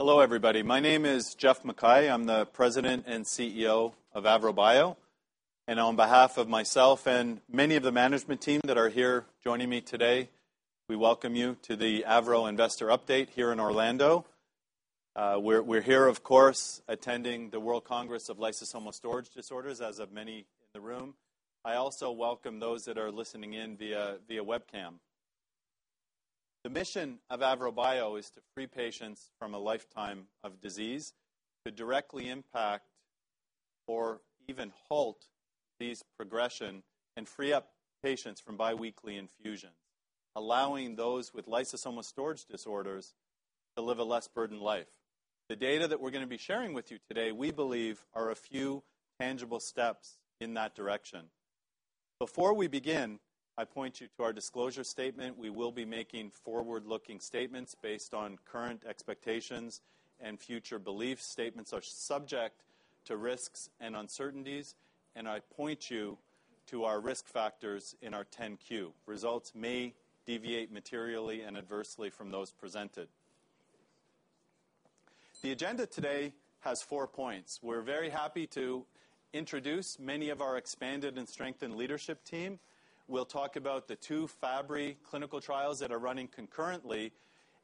Hello everybody. My name is Geoff MacKay. I'm the President and CEO of AVROBIO, and on behalf of myself and many of the management team that are here joining me today, we welcome you to the AVRO Investor Update here in Orlando. We're here, of course, attending the WORLDSymposium, as are many in the room. I also welcome those that are listening in via webcam. The mission of AVROBIO is to free patients from a lifetime of disease, to directly impact or even halt disease progression and free up patients from biweekly infusions, allowing those with lysosomal storage disorders to live a less burdened life. The data that we're going to be sharing with you today, we believe, are a few tangible steps in that direction. Before we begin, I point you to our disclosure statement. We will be making forward-looking statements based on current expectations and future beliefs. Statements are subject to risks and uncertainties. I point you to our risk factors in our 10-Q. Results may deviate materially and adversely from those presented. The agenda today has four points. We're very happy to introduce many of our expanded and strengthened leadership team. We'll talk about the two Fabry clinical trials that are running concurrently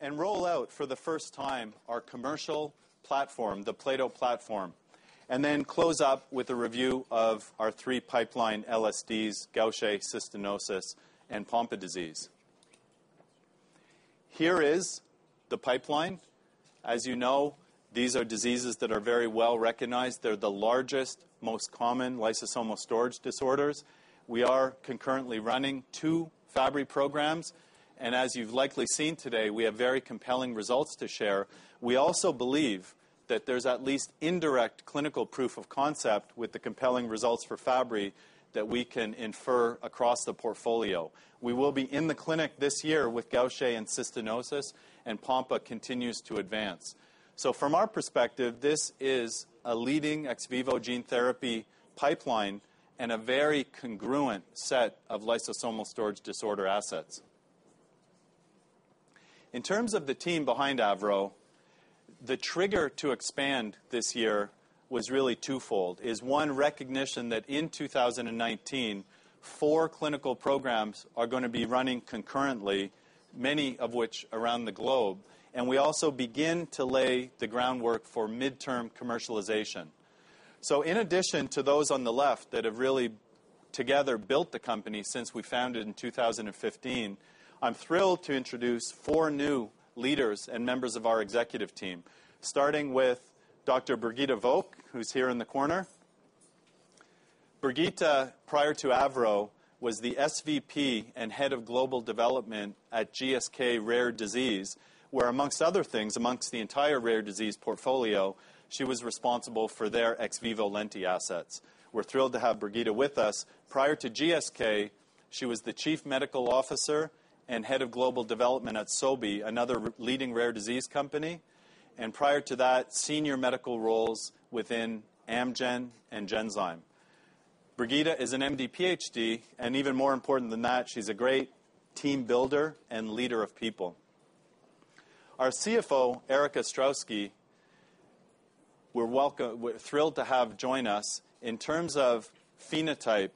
and roll out, for the first time, our commercial platform, the Plato platform, and then close up with a review of our three pipeline LSDs, Gaucher, cystinosis, and Pompe disease. Here is the pipeline. As you know, these are diseases that are very well-recognized. They're the largest, most common lysosomal storage disorders. We are concurrently running two Fabry programs, and as you've likely seen today, we have very compelling results to share. We also believe that there's at least indirect clinical proof of concept with the compelling results for Fabry that we can infer across the portfolio. We will be in the clinic this year with Gaucher and cystinosis. Pompe continues to advance. From our perspective, this is a leading ex vivo gene therapy pipeline and a very congruent set of lysosomal storage disorder assets. In terms of the team behind AVRO, the trigger to expand this year was really twofold. One recognition that in 2019, four clinical programs are going to be running concurrently, many of which around the globe, and we also begin to lay the groundwork for midterm commercialization. In addition to those on the left that have really together built the company since we founded in 2015, I'm thrilled to introduce four new leaders and members of our executive team, starting with Dr. Birgitte Volck, who's here in the corner. Birgitte, prior to AVRO, was the SVP and Head of Global Development at GSK Rare Diseases, where amongst other things, amongst the entire rare disease portfolio, she was responsible for their ex vivo lenti assets. We're thrilled to have Birgitte with us. Prior to GSK, she was the Chief Medical Officer and Head of Global Development at Sobi, another leading rare disease company, and prior to that, senior medical roles within Amgen and Genzyme. Birgitte is an MD PhD, and even more important than that, she's a great team builder and leader of people. Our CFO, Erik Ostrowski, we're thrilled to have join us. In terms of phenotype,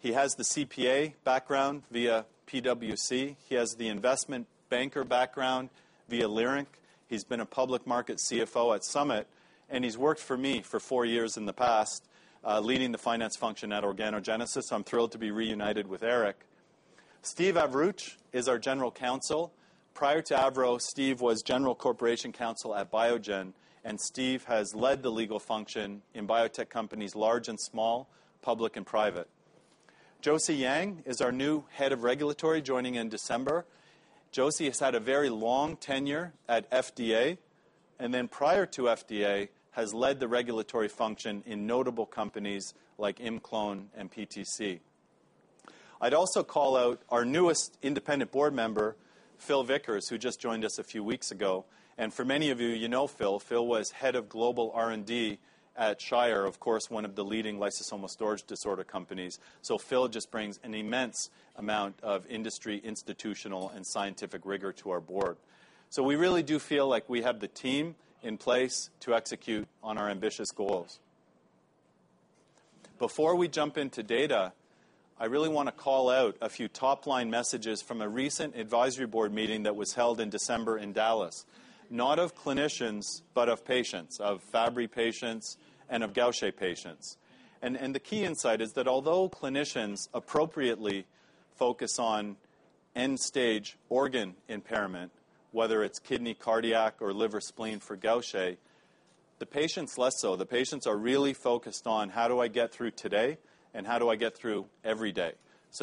he has the CPA background via PwC. He has the investment banker background via Leerink. He's been a public market CFO at Summit, he's worked for me for four years in the past, leading the finance function at Organogenesis. I'm thrilled to be reunited with Erik. Steve Avruch is our general counsel. Prior to AVROBIO, Steve was general corporation counsel at Biogen, Steve has led the legal function in biotech companies, large and small, public and private. Josie Yang is our new head of regulatory, joining in December. Josie has had a very long tenure at FDA, then prior to FDA, has led the regulatory function in notable companies like ImClone and PTC. I'd also call out our newest independent board member, Phil Vickers, who just joined us a few weeks ago. For many of you know Phil. Phil was head of global R&D at Shire, of course, one of the leading lysosomal storage disorder companies. Phil just brings an immense amount of industry, institutional, and scientific rigor to our board. We really do feel like we have the team in place to execute on our ambitious goals. Before we jump into data, I really want to call out a few top-line messages from a recent advisory board meeting that was held in December in Dallas, not of clinicians, but of patients, of Fabry patients and of Gaucher patients. The key insight is that although clinicians appropriately focus on end-stage organ impairment, whether it's kidney, cardiac or liver/spleen for Gaucher, the patients less so. The patients are really focused on: How do I get through today, and how do I get through every day?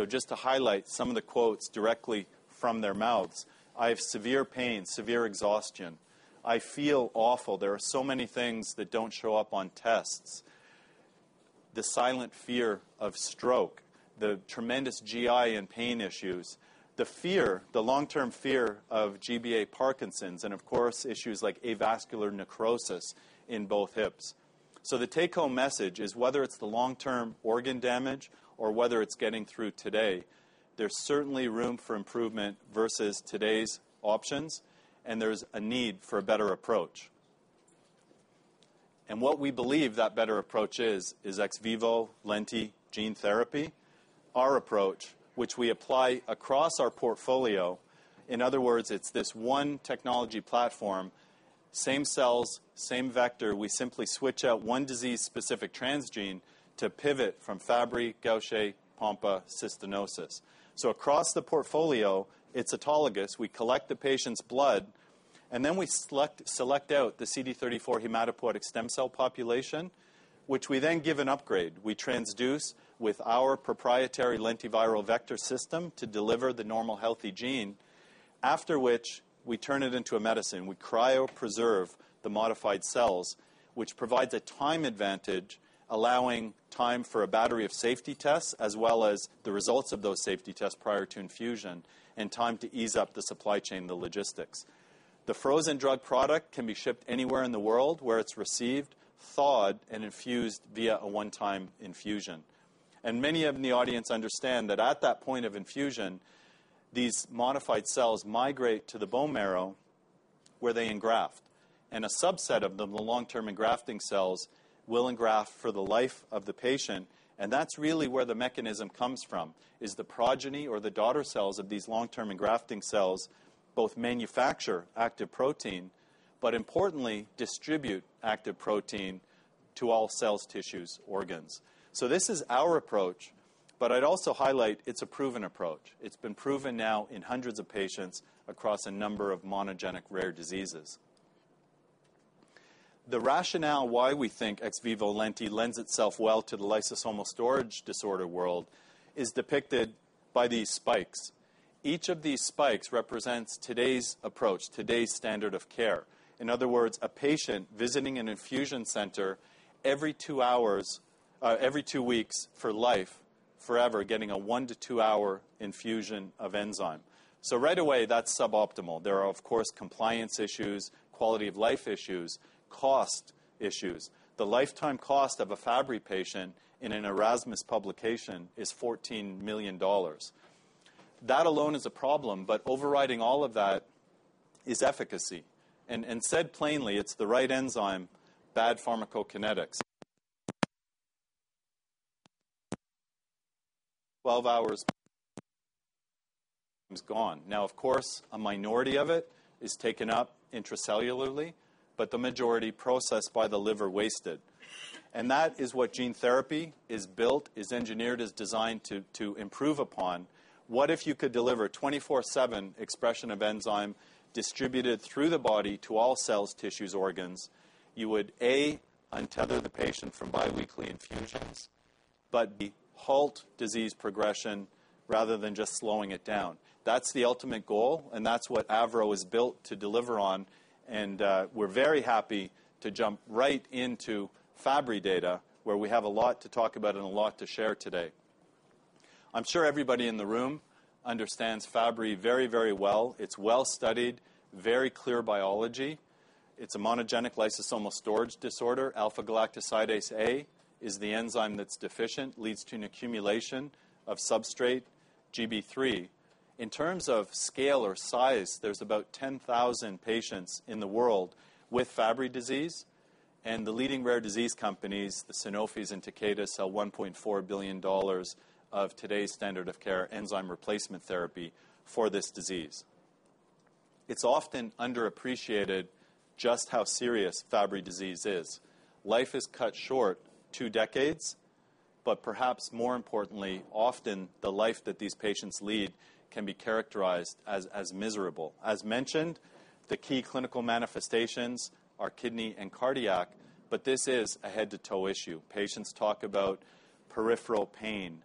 Just to highlight some of the quotes directly from their mouths. "I have severe pain, severe exhaustion. I feel awful. There are so many things that don't show up on tests." The silent fear of stroke, the tremendous GI and pain issues, the fear, the long-term fear of GBA Parkinson's, and of course, issues like avascular necrosis in both hips. The take-home message is whether it's the long-term organ damage or whether it's getting through today, there's certainly room for improvement versus today's options, and there's a need for a better approach. What we believe that better approach is ex vivo lenti gene therapy, our approach, which we apply across our portfolio. In other words, it's this one technology platform, same cells, same vector. We simply switch out one disease-specific transgene to pivot from Fabry, Gaucher, Pompe, cystinosis. Across the portfolio, it's autologous. We collect the patient's blood, we select out the CD34 hematopoietic stem cell population, which we then give an upgrade. We transduce with our proprietary lentiviral vector system to deliver the normal healthy gene, after which we turn it into a medicine. We cryopreserve the modified cells, which provides a time advantage, allowing time for a battery of safety tests, as well as the results of those safety tests prior to infusion, and time to ease up the supply chain, the logistics. The frozen drug product can be shipped anywhere in the world where it's received, thawed, and infused via a one-time infusion. Many in the audience understand that at that point of infusion, these modified cells migrate to the bone marrow, where they engraft. A subset of the long-term engrafting cells will engraft for the life of the patient, and that's really where the mechanism comes from, is the progeny or the daughter cells of these long-term engrafting cells, both manufacture active protein, but importantly, distribute active protein to all cells, tissues, organs. This is our approach, but I'd also highlight it's a proven approach. It's been proven now in hundreds of patients across a number of monogenic rare diseases. The rationale why we think ex vivo lenti lends itself well to the lysosomal storage disorder world is depicted by these spikes. Each of these spikes represents today's approach, today's standard of care. In other words, a patient visiting an infusion center every two weeks for life, forever, getting a one to two-hour infusion of enzyme. Right away, that's suboptimal. There are, of course, compliance issues, quality of life issues, cost issues. The lifetime cost of a Fabry patient in an Erasmus publication is $14 million. That alone is a problem, but overriding all of that is efficacy. Said plainly, it's the right enzyme, bad pharmacokinetics. 12 hours is gone. Now, of course, a minority of it is taken up intracellularly, but the majority processed by the liver wasted. That is what gene therapy is built, is engineered, is designed to improve upon. What if you could deliver 24/7 expression of enzyme distributed through the body to all cells, tissues, organs? You would, A, untether the patient from biweekly infusions, but B, halt disease progression rather than just slowing it down. That's the ultimate goal, that's what AVRO is built to deliver on, and we're very happy to jump right into Fabry data, where we have a lot to talk about and a lot to share today. I'm sure everybody in the room understands Fabry very well. It's well-studied, very clear biology. It's a monogenic lysosomal storage disorder. Alpha-galactosidase A is the enzyme that's deficient, leads to an accumulation of substrate GB3. In terms of scale or size, there's about 10,000 patients in the world with Fabry disease, and the leading rare disease companies, the Sanofis and Takeda, sell $1.4 billion of today's standard of care enzyme replacement therapy for this disease. It's often underappreciated just how serious Fabry disease is. Life is cut short two decades, but perhaps more importantly, often the life that these patients lead can be characterized as miserable. As mentioned, the key clinical manifestations are kidney and cardiac, but this is a head-to-toe issue. Patients talk about peripheral pain,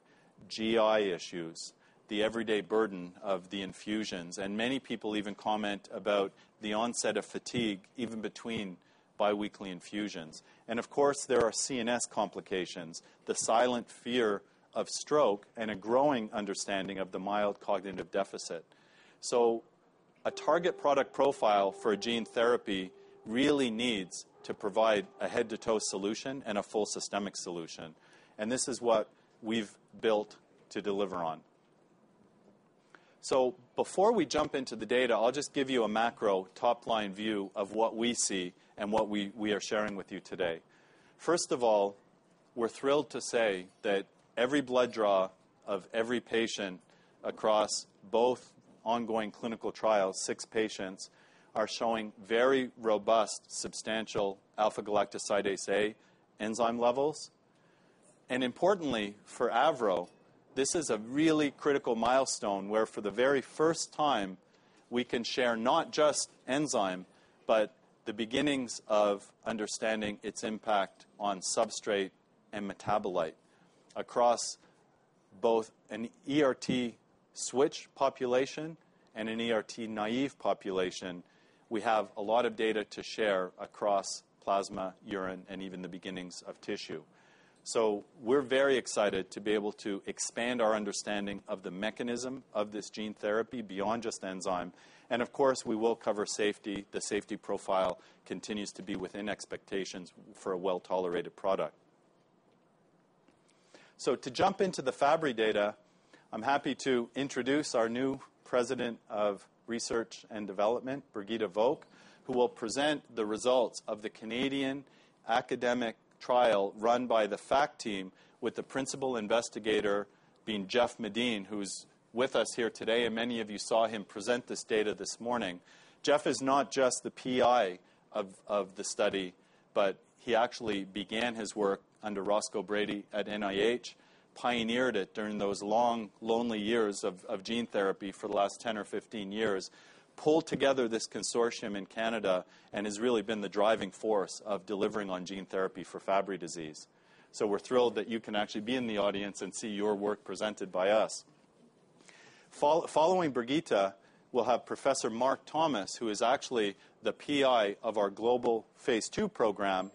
GI issues, the everyday burden of the infusions, and many people even comment about the onset of fatigue, even between biweekly infusions. Of course, there are CNS complications, the silent fear of stroke, and a growing understanding of the mild cognitive deficit. A target product profile for a gene therapy really needs to provide a head-to-toe solution and a full systemic solution. This is what we've built to deliver on. Before we jump into the data, I'll just give you a macro top-line view of what we see and what we are sharing with you today. First of all, we're thrilled to say that every blood draw of every patient across both ongoing clinical trials, six patients, are showing very robust, substantial alpha-galactosidase A enzyme levels. Importantly for AVROBIO, this is a really critical milestone where for the very first time, we can share not just enzyme, but the beginnings of understanding its impact on substrate and metabolite across both an ERT switch population and an ERT-naive population. We have a lot of data to share across plasma, urine, and even the beginnings of tissue. So we're very excited to be able to expand our understanding of the mechanism of this gene therapy beyond just enzyme. Of course, we will cover safety. The safety profile continues to be within expectations for a well-tolerated product. To jump into the Fabry data, I'm happy to introduce our new President of Research and Development, Birgitte Volck, who will present the results of the Canadian academic trial run by the FACTs team with the principal investigator being Jeff Medin, who's with us here today, and many of you saw him present this data this morning. Jeff is not just the PI of the study, but he actually began his work under Roscoe Brady at NIH, pioneered it during those long, lonely years of gene therapy for the last 10 or 15 years, pulled together this consortium in Canada, and has really been the driving force of delivering on gene therapy for Fabry disease. We're thrilled that you can actually be in the audience and see your work presented by us. Following Birgitte, we'll have Professor Mark Thomas, who is actually the PI of our global phase II program,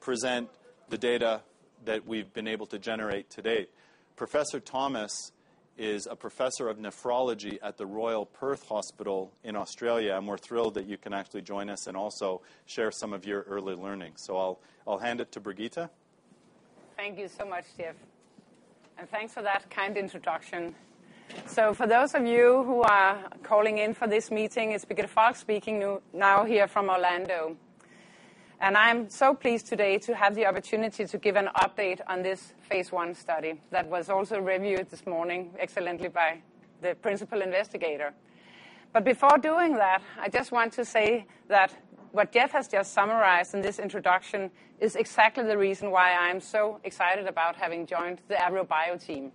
present the data that we've been able to generate to date. Professor Thomas is a Professor of nephrology at the Royal Perth Hospital in Australia. We're thrilled that you can actually join us and also share some of your early learnings. I'll hand it to Birgitte. Thank you so much, Geoff, and thanks for that kind introduction. For those of you who are calling in for this meeting, it's Birgitte Volck speaking now here from Orlando. I'm so pleased today to have the opportunity to give an update on this phase I study that was also reviewed this morning excellently by the principal investigator. Before doing that, I just want to say that what Geoff has just summarized in this introduction is exactly the reason why I'm so excited about having joined the AVROBIO team.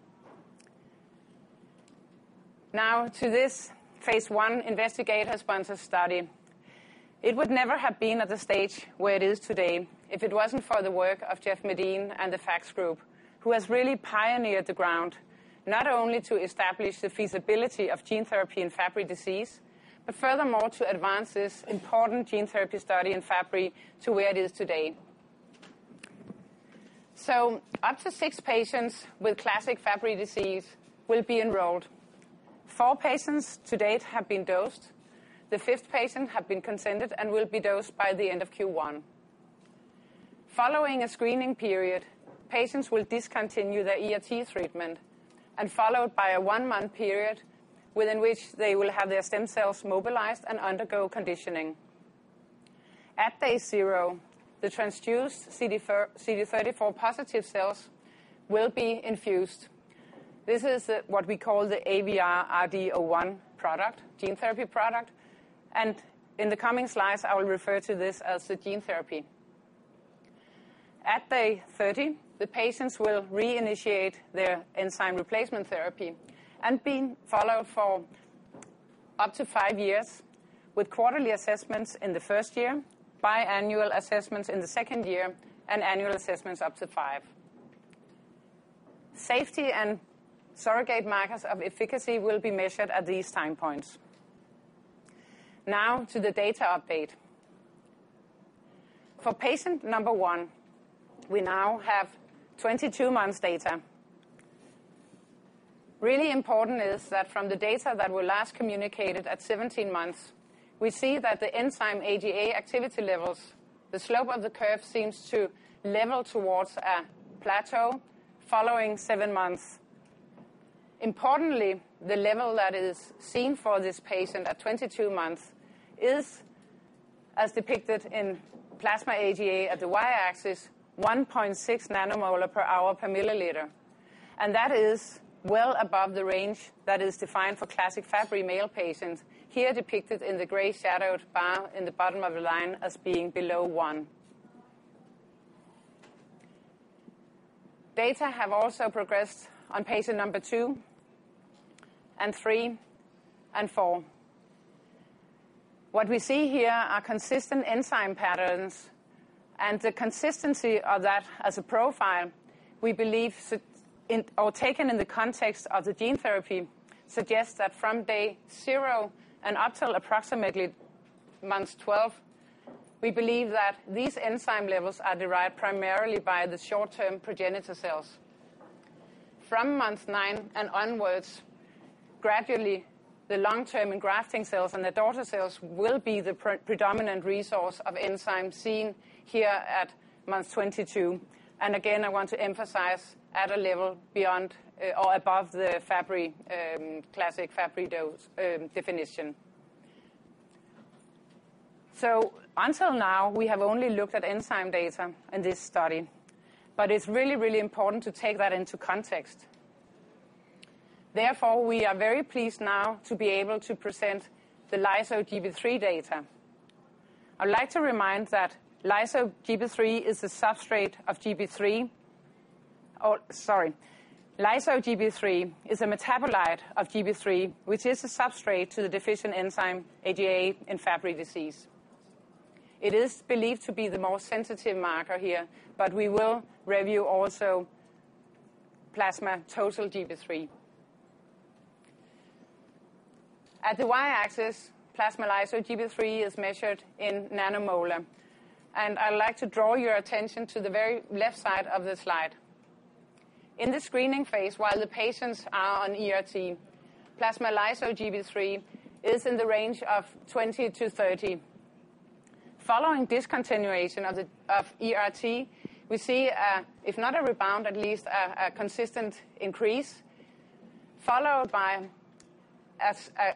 Now to this phase I investigator-sponsored study. It would never have been at the stage where it is today if it wasn't for the work of Jeff Medin and the FACTs group, who has really pioneered the ground, not only to establish the feasibility of gene therapy in Fabry disease, but furthermore, to advance this important gene therapy study in Fabry to where it is today. Up to six patients with classic Fabry disease will be enrolled. Four patients to date have been dosed. The fifth patient has been consented and will be dosed by the end of Q1. Following a screening period, patients will discontinue their ERT treatment and followed by a one month period within which they will have their stem cells mobilized and undergo conditioning. At day 0, the transduced CD34 positive cells will be infused. This is what we call the AVR-RD-01 product, gene therapy product, in the coming slides, I will refer to this as the gene therapy. At day 30, the patients will reinitiate their enzyme replacement therapy and be followed for up to five years with quarterly assessments in the first year, biannual assessments in the second year, and annual assessments up to five. Safety and surrogate markers of efficacy will be measured at these time points. To the data update. For patient number one, we now have 22 months data. Really important is that from the data that were last communicated at 17 months, we see that the enzyme AGA activity levels, the slope of the curve seems to level towards a plateau following seven months. Importantly, the level that is seen for this patient at 22 months is as depicted in plasma AGA at the Y-axis, 1.6 nanomolar per hour per milliliter. That is well above the range that is defined for classic Fabry male patients, here depicted in the gray shadowed bar in the bottom of the line as being below one. Data have also progressed on patient number two and three and four. What we see here are consistent enzyme patterns, and the consistency of that as a profile, we believe, or taken in the context of the gene therapy, suggests that from day 0 and up till approximately months 12, we believe that these enzyme levels are derived primarily by the short-term progenitor cells. From month nine and onwards, gradually, the long-term grafting cells and the daughter cells will be the predominant resource of enzyme seen here at month 22. Again, I want to emphasize at a level beyond or above the classic Fabry dose definition. Until now, we have only looked at enzyme data in this study, but it's really, really important to take that into context. Therefore, we are very pleased now to be able to present the lyso-Gb3 data. I'd like to remind that lyso-Gb3 is a metabolite of GB3, which is a substrate to the deficient enzyme AGA in Fabry disease. It is believed to be the most sensitive marker here, but we will review also plasma total GB3. At the Y-axis, plasma lyso-Gb3 is measured in nanomolar. I'd like to draw your attention to the very left side of the slide. In the screening phase, while the patients are on ERT, plasma lyso-Gb3 is in the range of 20-30. Following discontinuation of ERT, we see, if not a rebound, at least a consistent increase, followed by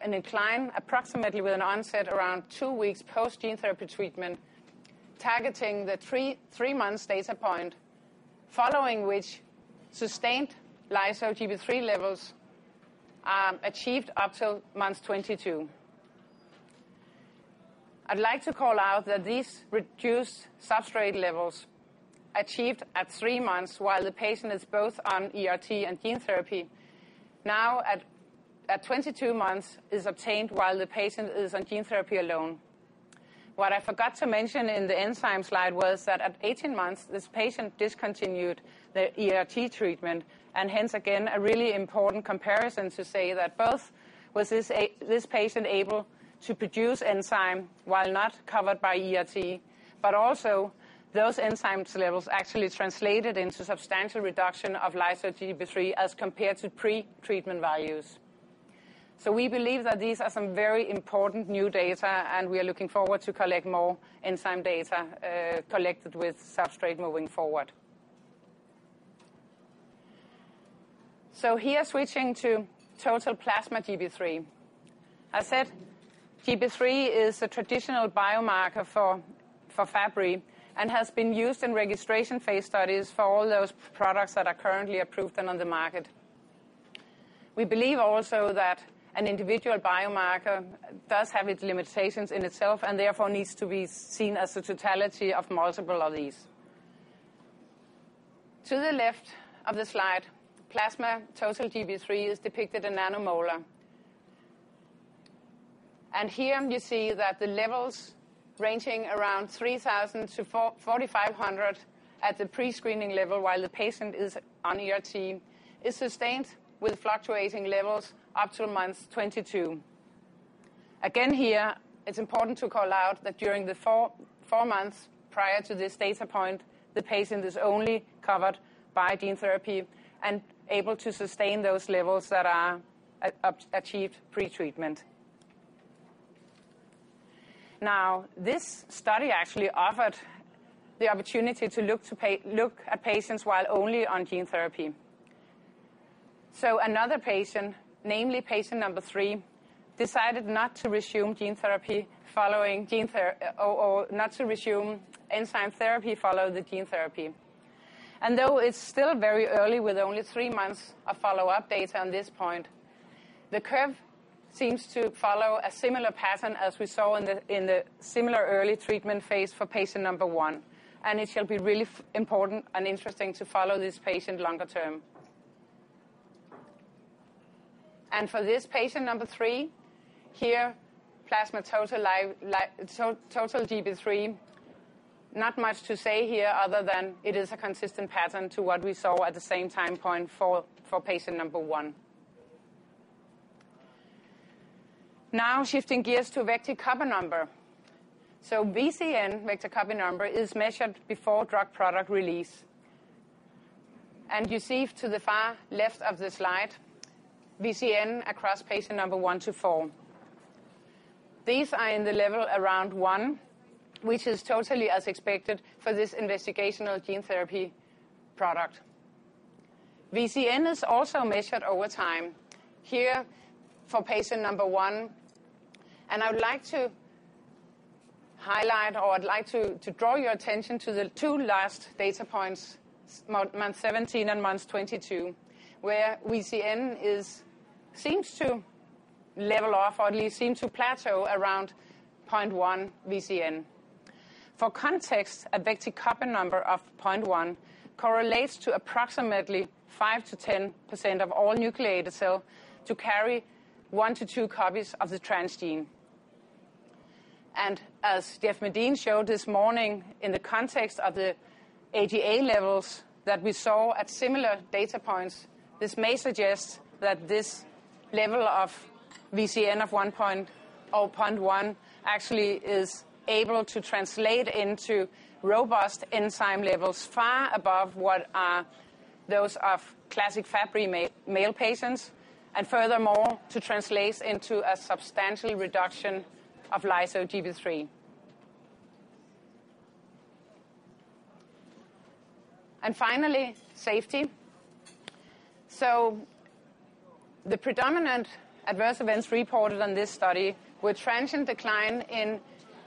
an incline approximately with an onset around two weeks post gene therapy treatment, targeting the three months data point, following which sustained lyso-Gb3 levels are achieved up till month 22. I'd like to call out that these reduced substrate levels achieved at three months while the patient is both on ERT and gene therapy, now at 22 months, is obtained while the patient is on gene therapy alone. What I forgot to mention in the enzyme slide was that at 18 months, this patient discontinued their ERT treatment. Hence again, a really important comparison to say that both was this patient able to produce enzyme while not covered by ERT, but also those enzymes levels actually translated into substantial reduction of lyso-Gb3 as compared to pre-treatment values. We believe that these are some very important new data, and we are looking forward to collect more enzyme data collected with substrate moving forward. Here, switching to total plasma Gb3. As said, Gb3 is a traditional biomarker for Fabry, and has been used in registration phase studies for all those products that are currently approved and on the market. We believe also that an individual biomarker does have its limitations in itself, and therefore needs to be seen as the totality of multiple of these. To the left of the slide, plasma total Gb3 is depicted in nanomolar. Here you see that the levels ranging around 3,000-4,500 at the pre-screening level while the patient is on ERT, is sustained with fluctuating levels up till month 22. Again, here, it's important to call out that during the four months prior to this data point, the patient is only covered by gene therapy and able to sustain those levels that are achieved pre-treatment. This study actually offered the opportunity to look at patients while only on gene therapy. Another patient, namely patient number three, decided not to resume enzyme therapy following the gene therapy. Though it's still very early with only three months of follow-up data on this point, the curve seems to follow a similar pattern as we saw in the similar early treatment phase for patient number one, and it shall be really important and interesting to follow this patient longer term. For this patient number three, here, plasma total Gb3, not much to say here other than it is a consistent pattern to what we saw at the same time point for patient number one. Shifting gears to vector copy number. VCN, vector copy number, is measured before drug product release. You see to the far left of the slide, VCN across patient number one to four. These are in the level around one, which is totally as expected for this investigational gene therapy product. VCN is also measured over time, here for patient one, I would like to highlight, or I'd like to draw your attention to the two last data points, month 17 and month 22, where VCN seems to level off or at least seem to plateau around 0.1 VCN. For context, a vector copy number of 0.1 correlates to approximately 5%-10% of all nucleated cell to carry one to two copies of the transgene. As Jeff Medin showed this morning, in the context of the AGA levels that we saw at similar data points, this may suggest that this level of VCN of 0.1 actually is able to translate into robust enzyme levels far above what are those of classic Fabry male patients, furthermore, to translate into a substantial reduction of lyso-Gb3. Finally, safety. The predominant adverse events reported on this study were transient decline in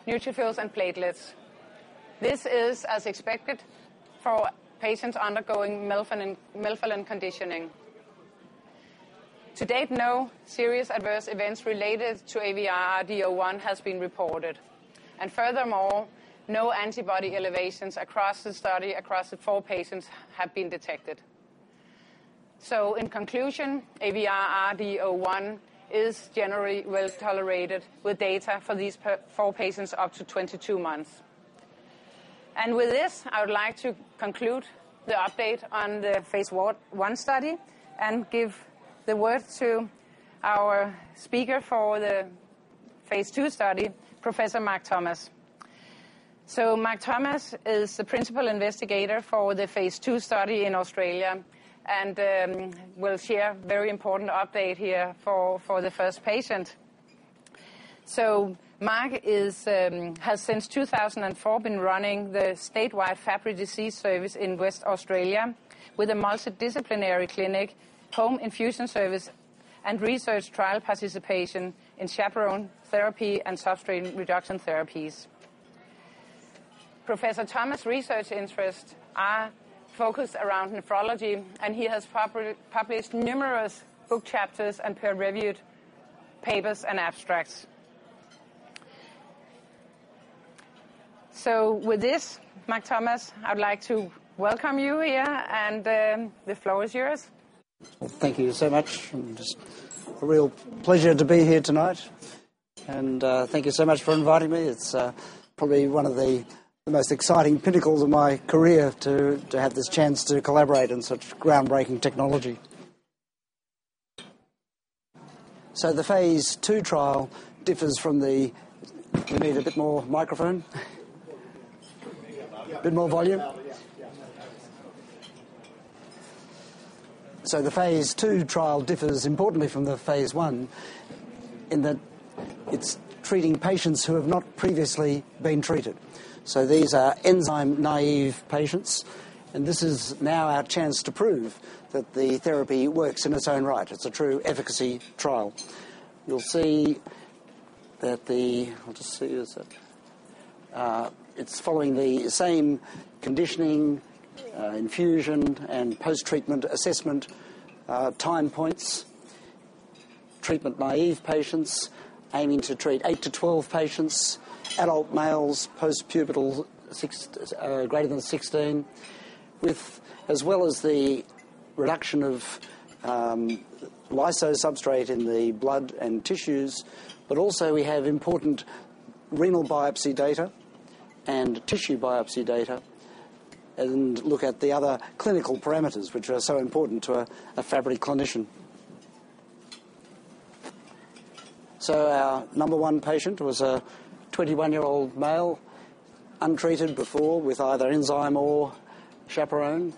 neutrophils and platelets. This is as expected for patients undergoing melphalan conditioning. To date, no serious adverse events related to AVR-RD-01 has been reported. Furthermore, no antibody elevations across the study across the four patients have been detected. In conclusion, AVR-RD-01 is generally well-tolerated with data for these four patients up to 22 months. With this, I would like to conclude the update on the phase I study and give the word to our speaker for the phase II study, Professor Mark Thomas. Mark Thomas is the principal investigator for the phase II study in Australia and will share a very important update here for the first patient. Mark has since 2004 been running the statewide Fabry disease service in West Australia with a multidisciplinary clinic, home infusion service, and research trial participation in chaperone therapy and substrate reduction therapies. Professor Thomas' research interests are focused around nephrology. He has published numerous book chapters and peer-reviewed papers and abstracts. With this, Mark Thomas, I would like to welcome you here. The floor is yours. Thank you so much. It's a real pleasure to be here tonight. Thank you so much for inviting me. It's probably one of the most exciting pinnacles of my career to have this chance to collaborate on such groundbreaking technology. The phase II trial differs from the. You need a bit more microphone? Yeah. Volume. Bit more volume? Yeah. The phase II trial differs importantly from the phase I in that it's treating patients who have not previously been treated. These are enzyme-naive patients, this is now our chance to prove that the therapy works in its own right. It's a true efficacy trial. You'll see that the I'll just see. It's following the same conditioning, infusion, and post-treatment assessment time points. Treatment-naive patients, aiming to treat eight to 12 patients, adult males, post-pubertal, greater than 16, with as well as the reduction of lyso substrate in the blood and tissues. We have important renal biopsy data and tissue biopsy data and look at the other clinical parameters which are so important to a Fabry clinician. Our number one patient was a 21 year-old male, untreated before with either enzyme or chaperone.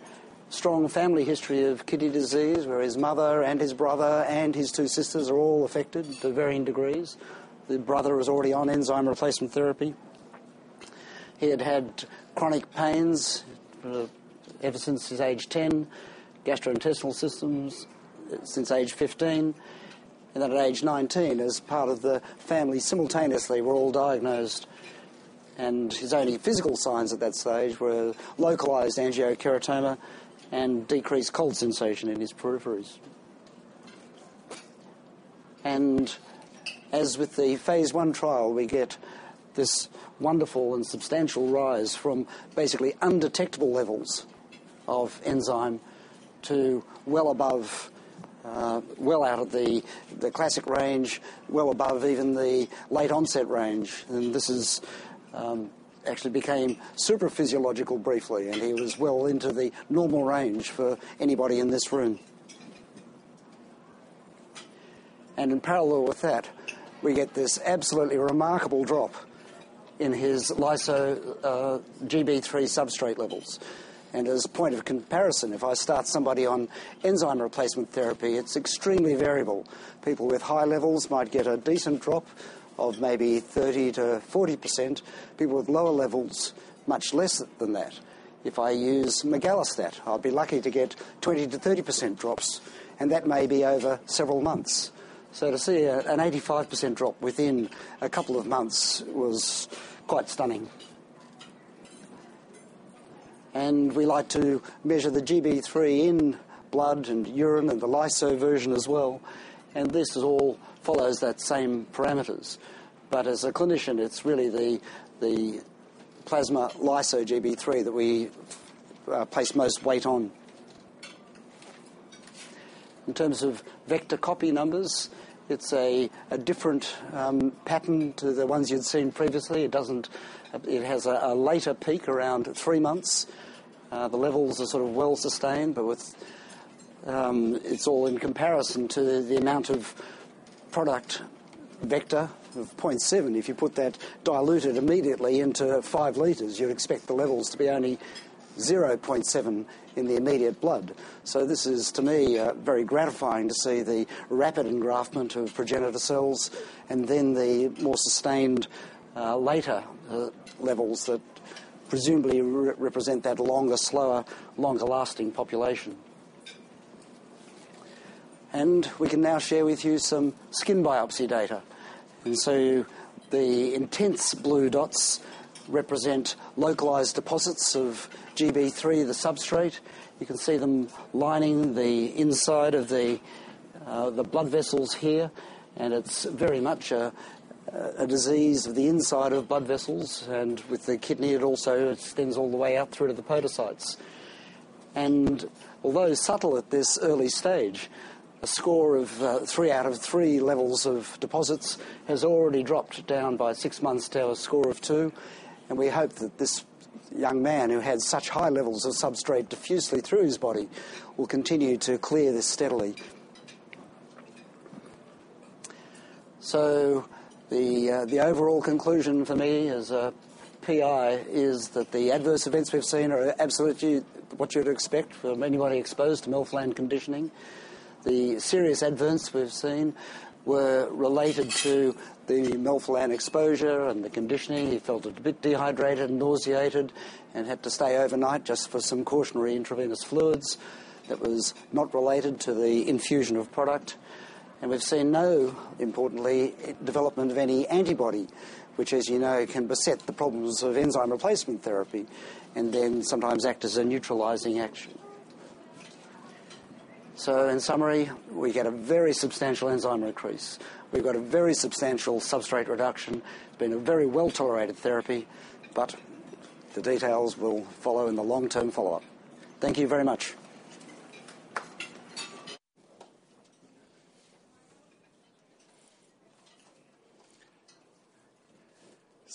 Strong family history of kidney disease where his mother and his brother and his two sisters are all affected to varying degrees. The brother was already on enzyme replacement therapy. He had had chronic pains ever since his age 10, gastrointestinal systems since age 15, and then at age 19, as part of the family, simultaneously were all diagnosed. His only physical signs at that stage were localized angiokeratoma and decreased cold sensation in his peripheries. As with the phase I trial, we get this wonderful and substantial rise from basically undetectable levels of enzyme to well above, well out of the classic range, well above even the late onset range. This actually became super physiological briefly, and he was well into the normal range for anybody in this room. In parallel with that, we get this absolutely remarkable drop in his lyso-Gb3 substrate levels. As a point of comparison, if I start somebody on enzyme replacement therapy, it's extremely variable. People with high levels might get a decent drop of maybe 30%-40%. People with lower levels, much less than that. If I use migalastat, I'll be lucky to get 20%-30% drops, and that may be over several months. To see an 85% drop within a couple of months was quite stunning. We like to measure the Gb3 in blood and urine and the lyso version as well. This all follows that same parameters. As a clinician, it's really the plasma lyso-Gb3 that we place most weight on. In terms of vector copy numbers, it's a different pattern to the ones you'd seen previously. It has a later peak around three months. The levels are sort of well-sustained, but it's all in comparison to the amount of product vector of 0.7. If you put that diluted immediately into five liters, you'd expect the levels to be only 0.7 in the immediate blood. This is, to me, very gratifying to see the rapid engraftment of progenitor cells and then the more sustained later levels that presumably represent that longer, slower, longer-lasting population. We can now share with you some skin biopsy data. The intense blue dots represent localized deposits of Gb3, the substrate. You can see them lining the inside of the blood vessels here, and it's very much a disease of the inside of blood vessels, and with the kidney, it also extends all the way out through to the podocytes. Although subtle at this early stage, a score of three out of three levels of deposits has already dropped down by six months to a score of two, and we hope that this young man who had such high levels of substrate diffusely through his body will continue to clear this steadily. The overall conclusion for me as a PI is that the adverse events we've seen are absolutely what you'd expect from anybody exposed to melphalan conditioning. The serious adverse we've seen were related to the melphalan exposure and the conditioning. He felt a bit dehydrated, nauseated, and had to stay overnight just for some cautionary intravenous fluids that was not related to the infusion of product. We've seen no, importantly, development of any antibody, which as you know, can beset the problems of enzyme replacement therapy, and then sometimes act as a neutralizing action. In summary, we get a very substantial enzyme increase. We've got a very substantial substrate reduction, been a very well-tolerated therapy, but the details will follow in the long-term follow-up. Thank you very much.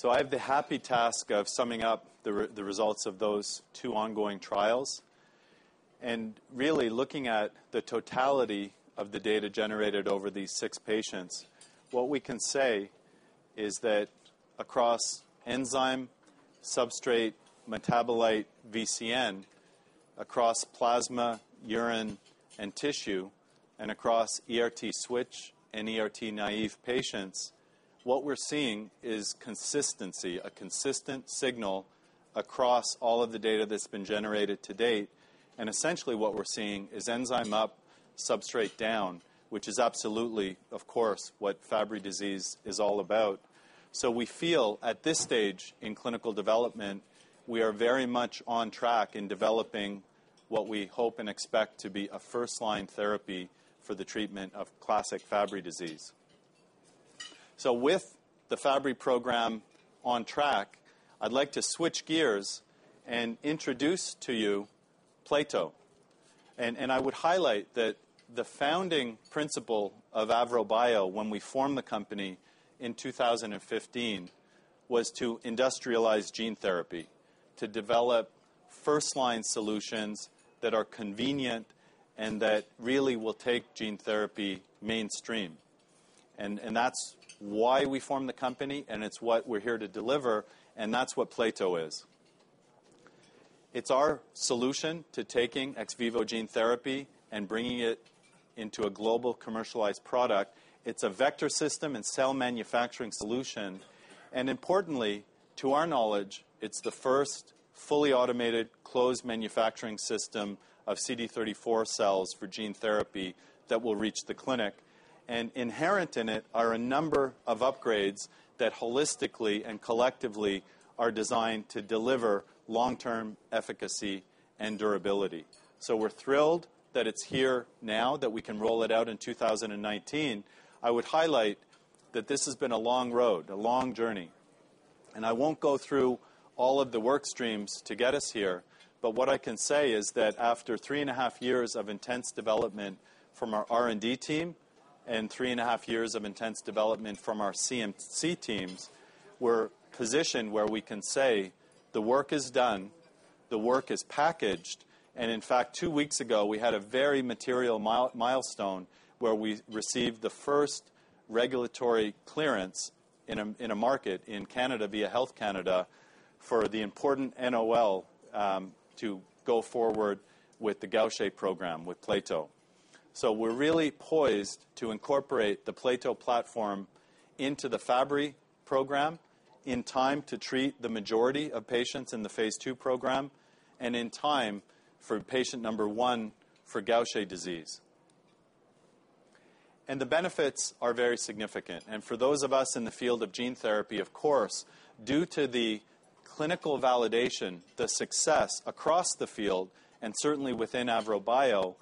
I have the happy task of summing up the results of those two ongoing trials. Really looking at the totality of the data generated over these six patients, what we can say is that across enzyme, substrate, metabolite, VCN, across plasma, urine, and tissue, and across ERT switch and ERT naive patients, what we're seeing is consistency, a consistent signal across all of the data that's been generated to date. Essentially what we're seeing is enzyme up, substrate down, which is absolutely, of course, what Fabry disease is all about. We feel at this stage in clinical development, we are very much on track in developing what we hope and expect to be a first-line therapy for the treatment of classic Fabry disease. With the Fabry program on track, I'd like to switch gears and introduce to you Plato. I would highlight that the founding principle of AVROBIO when we formed the company in 2015, was to industrialize gene therapy, to develop first-line solutions that are convenient and that really will take gene therapy mainstream. That's why we formed the company, and it's what we're here to deliver, and that's what Plato is. It's our solution to taking ex vivo gene therapy and bringing it into a global commercialized product. It's a vector system and cell manufacturing solution. Importantly, to our knowledge, it's the first fully automated closed manufacturing system of CD34 cells for gene therapy that will reach the clinic. Inherent in it are a number of upgrades that holistically and collectively are designed to deliver long-term efficacy and durability. We're thrilled that it's here now, that we can roll it out in 2019. I would highlight that this has been a long road, a long journey. I won't go through all of the work streams to get us here, but what I can say is that after three and a half years of intense development from our R&D team and three and a half years of intense development from our CMC teams, we're positioned where we can say the work is done, the work is packaged, and in fact, two weeks ago, we had a very material milestone where we received the first regulatory clearance in a market in Canada via Health Canada for the important NOL, to go forward with the Gaucher program with Plato. We're really poised to incorporate the Plato platform into the Fabry program in time to treat the majority of patients in the phase II program, and in time for patient number one for Gaucher disease. The benefits are very significant. For those of us in the field of gene therapy, of course, due to the clinical validation, the success across the field, and certainly within AVROBIO,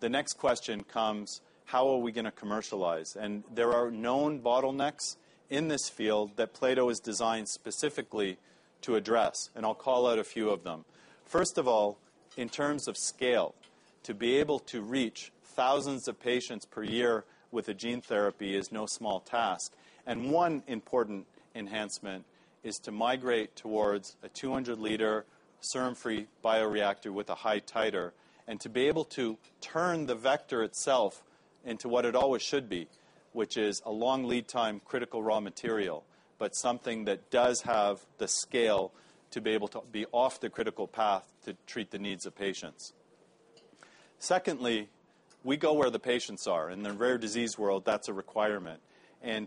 the next question comes, how are we going to commercialize? There are known bottlenecks in this field that Plato is designed specifically to address, I'll call out a few of them. First of all, in terms of scale, to be able to reach thousands of patients per year with a gene therapy is no small task. One important enhancement is to migrate towards a 200 liter serum-free bioreactor with a high titer, to be able to turn the vector itself into what it always should be, which is a long lead time critical raw material, but something that does have the scale to be off the critical path to treat the needs of patients. Secondly, we go where the patients are. In the rare disease world, that's a requirement.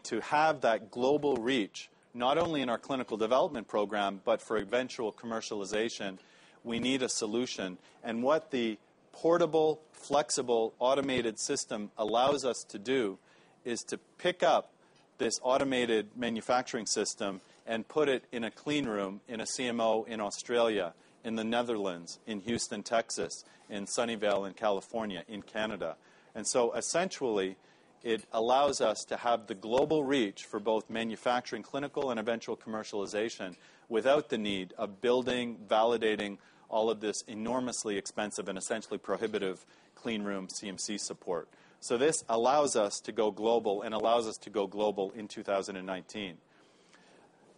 To have that global reach, not only in our clinical development program, but for eventual commercialization, we need a solution. What the portable, flexible, automated system allows us to do is to pick up this automated manufacturing system and put it in a clean room in a CMO in Australia, in the Netherlands, in Houston, Texas, in Sunnyvale in California, in Canada. Essentially, it allows us to have the global reach for both manufacturing, clinical, and eventual commercialization without the need of building, validating all of this enormously expensive and essentially prohibitive clean room CMC support. This allows us to go global and allows us to go global in 2019.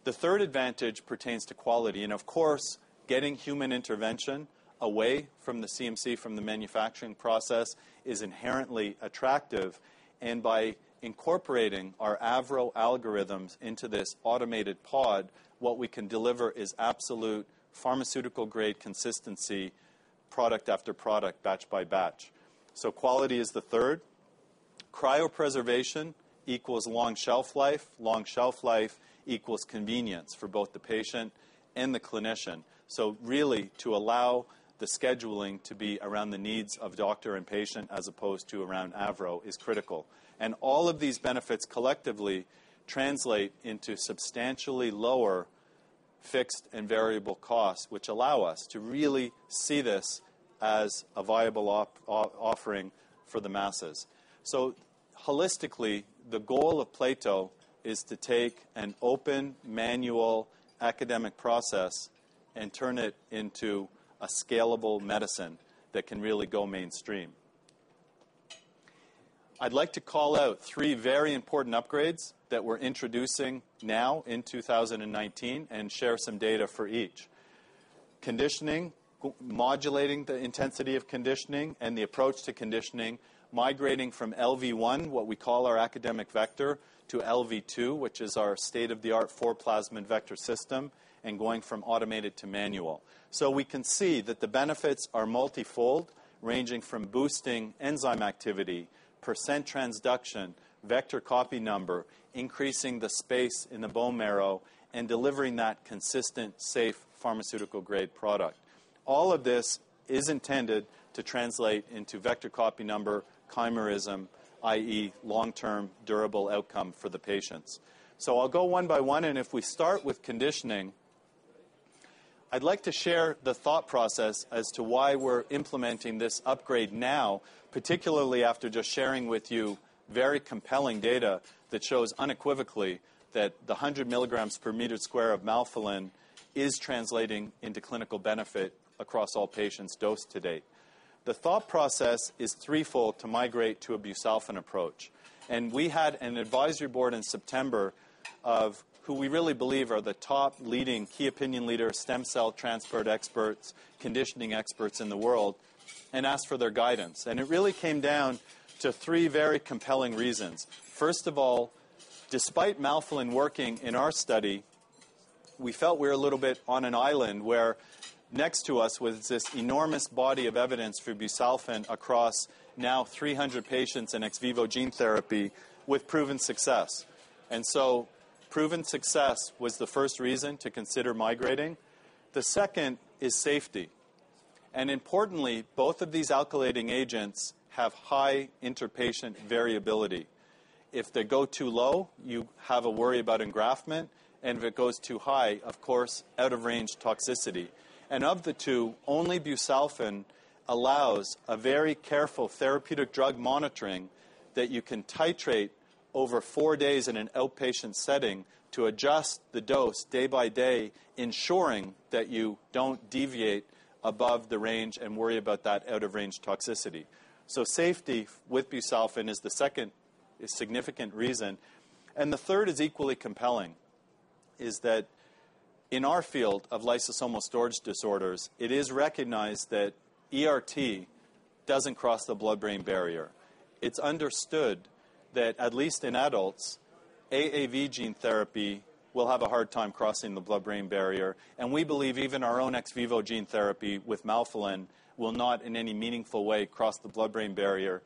The third advantage pertains to quality. Of course, getting human intervention away from the CMC, from the manufacturing process is inherently attractive. By incorporating our AVRO algorithms into this automated pod, what we can deliver is absolute pharmaceutical-grade consistency, product after product, batch by batch. Quality is the third. Cryopreservation equals long shelf life. Long shelf life equals convenience for both the patient and the clinician. Really, to allow the scheduling to be around the needs of doctor and patient as opposed to around AVRO is critical. All of these benefits collectively translate into substantially lower fixed and variable costs, which allow us to really see this as a viable offering for the masses. Holistically, the goal of Plato is to take an open, manual academic process and turn it into a scalable medicine that can really go mainstream. I'd like to call out three very important upgrades that we're introducing now in 2019 and share some data for each. Conditioning, modulating the intensity of conditioning, the approach to conditioning, migrating from LV1, what we call our academic vector, to LV2, which is our state-of-the-art four-plasmid vector system, and going from automated to manual. We can see that the benefits are multifold, ranging from boosting enzyme activity, percent transduction, vector copy number, increasing the space in the bone marrow, and delivering that consistent, safe pharmaceutical-grade product. All of this is intended to translate into vector copy number chimerism, i.e., long-term durable outcome for the patients. I'll go one by one, and if we start with conditioning, I'd like to share the thought process as to why we're implementing this upgrade now, particularly after just sharing with you very compelling data that shows unequivocally that the 100 mg per meter square of melphalan is translating into clinical benefit across all patients dosed to date. The thought process is threefold to migrate to a busulfan approach. We had an advisory board in September of who we really believe are the top leading key opinion leader stem cell transfer experts, conditioning experts in the world, and asked for their guidance. It really came down to three very compelling reasons. First of all, despite melphalan working in our study, we felt we were a little bit on an island where next to us was this enormous body of evidence for busulfan across now 300 patients in ex vivo gene therapy with proven success. Proven success was the first reason to consider migrating. The second is safety. Importantly, both of these alkylating agents have high inter-patient variability. If they go too low, you have a worry about engraftment, and if it goes too high, of course, out-of-range toxicity. Of the two, only busulfan allows a very careful therapeutic drug monitoring that you can titrate over four days in an outpatient setting to adjust the dose day by day, ensuring that you don't deviate above the range and worry about that out-of-range toxicity. Safety with busulfan is the second significant reason. The third is equally compelling, is that in our field of lysosomal storage disorders, it is recognized that ERT doesn't cross the blood-brain barrier. It's understood that at least in adults, AAV gene therapy will have a hard time crossing the blood-brain barrier, and we believe even our own ex vivo gene therapy with melphalan will not in any meaningful way cross the blood-brain barrier.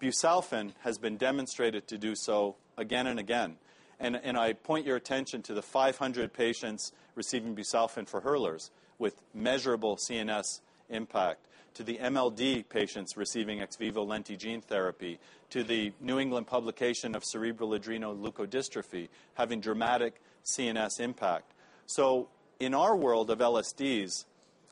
Busulfan has been demonstrated to do so again and again. I point your attention to the 500 patients receiving busulfan for Hurlers with measurable CNS impact, to the MLD patients receiving ex vivo lenti gene therapy, to the New England publication of cerebral adrenoleukodystrophy having dramatic CNS impact. In our world of LSDs,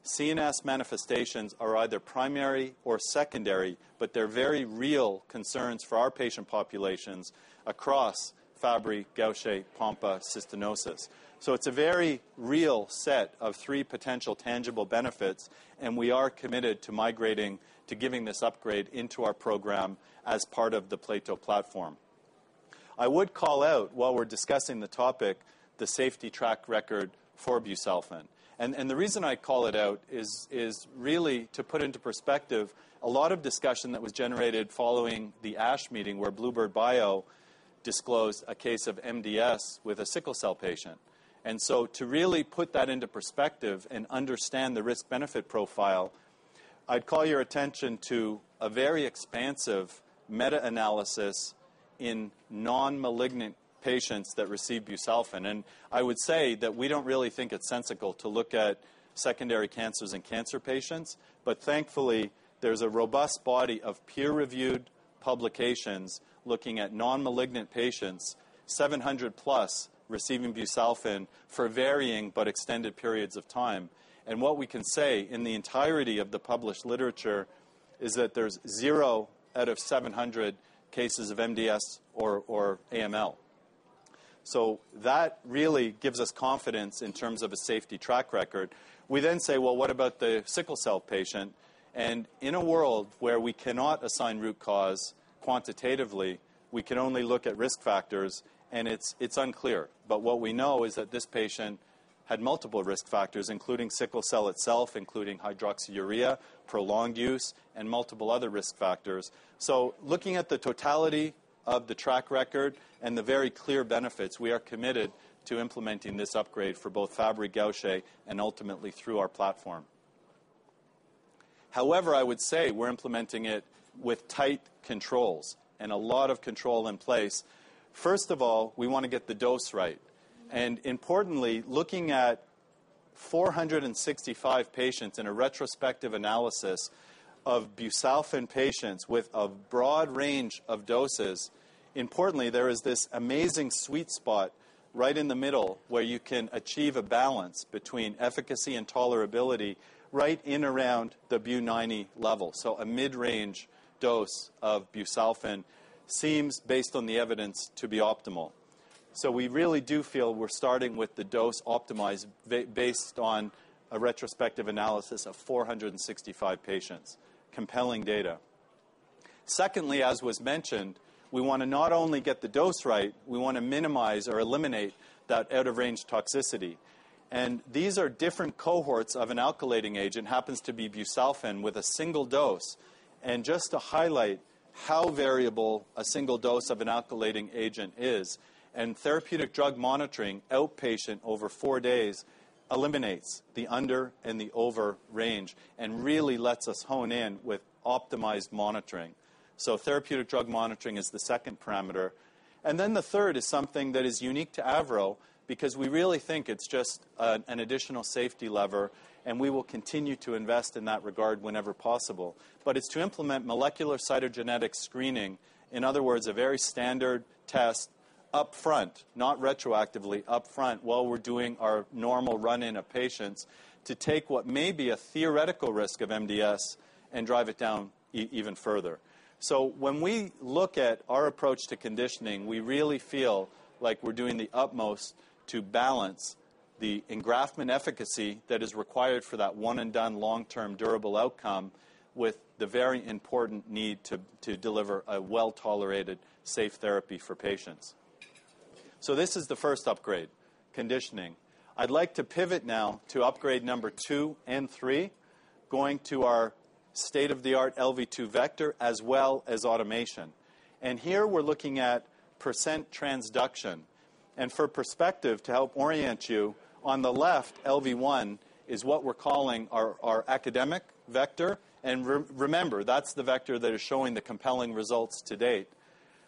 CNS manifestations are either primary or secondary, but they're very real concerns for our patient populations across Fabry, Gaucher, Pompe, cystinosis. It's a very real set of three potential tangible benefits, and we are committed to migrating to giving this upgrade into our program as part of the Plato platform. I would call out while we're discussing the topic, the safety track record for busulfan. The reason I call it out is really to put into perspective a lot of discussion that was generated following the ASH meeting where bluebird bio disclosed a case of MDS with a sickle cell patient. To really put that into perspective and understand the risk-benefit profile, I'd call your attention to a very expansive meta-analysis in non-malignant patients that receive busulfan. I would say that we don't really think it's sensical to look at secondary cancers in cancer patients. Thankfully, there's a robust body of peer-reviewed publications looking at non-malignant patients, 700+ receiving busulfan for varying but extended periods of time. What we can say in the entirety of the published literature is that there's zero out of 700 cases of MDS or AML. That really gives us confidence in terms of a safety track record. We say, "Well, what about the sickle cell patient?" In a world where we cannot assign root cause quantitatively, we can only look at risk factors, and it's unclear. What we know is that this patient had multiple risk factors, including sickle cell itself, including hydroxyurea, prolonged use, and multiple other risk factors. Looking at the totality of the track record and the very clear benefits, we are committed to implementing this upgrade for both Fabry and Gaucher and ultimately through our platform. I would say we're implementing it with tight controls and a lot of control in place. First of all, we want to get the dose right, and importantly, looking at 465 patients in a retrospective analysis of busulfan patients with a broad range of doses, importantly, there is this amazing sweet spot right in the middle where you can achieve a balance between efficacy and tolerability right in around the BU 90 level. A mid-range dose of busulfan seems, based on the evidence, to be optimal. We really do feel we're starting with the dose optimized based on a retrospective analysis of 465 patients. Compelling data. Secondly, as was mentioned, we want to not only get the dose right, we want to minimize or eliminate that out-of-range toxicity. These are different cohorts of an alkylating agent, happens to be busulfan with a single dose. Just to highlight how variable a single dose of an alkylating agent is, therapeutic drug monitoring outpatient over four days eliminates the under and the over range and really lets us hone in with optimized monitoring. Therapeutic drug monitoring is the second parameter. The third is something that is unique to AVRO, because we really think it's just an additional safety lever, and we will continue to invest in that regard whenever possible. It's to implement molecular cytogenetic screening, in other words, a very standard test upfront, not retroactively, upfront while we're doing our normal run-in of patients to take what may be a theoretical risk of MDS and drive it down even further. When we look at our approach to conditioning, we really feel like we're doing the utmost to balance the engraftment efficacy that is required for that one-and-done long-term durable outcome with the very important need to deliver a well-tolerated, safe therapy for patients. This is the first upgrade, conditioning. I'd like to pivot now to upgrade number two and three, going to our state-of-the-art LV2 vector, as well as automation. Here we're looking at percent transduction. For perspective to help orient you, on the left, LV1 is what we're calling our academic vector. Remember, that's the vector that is showing the compelling results to date.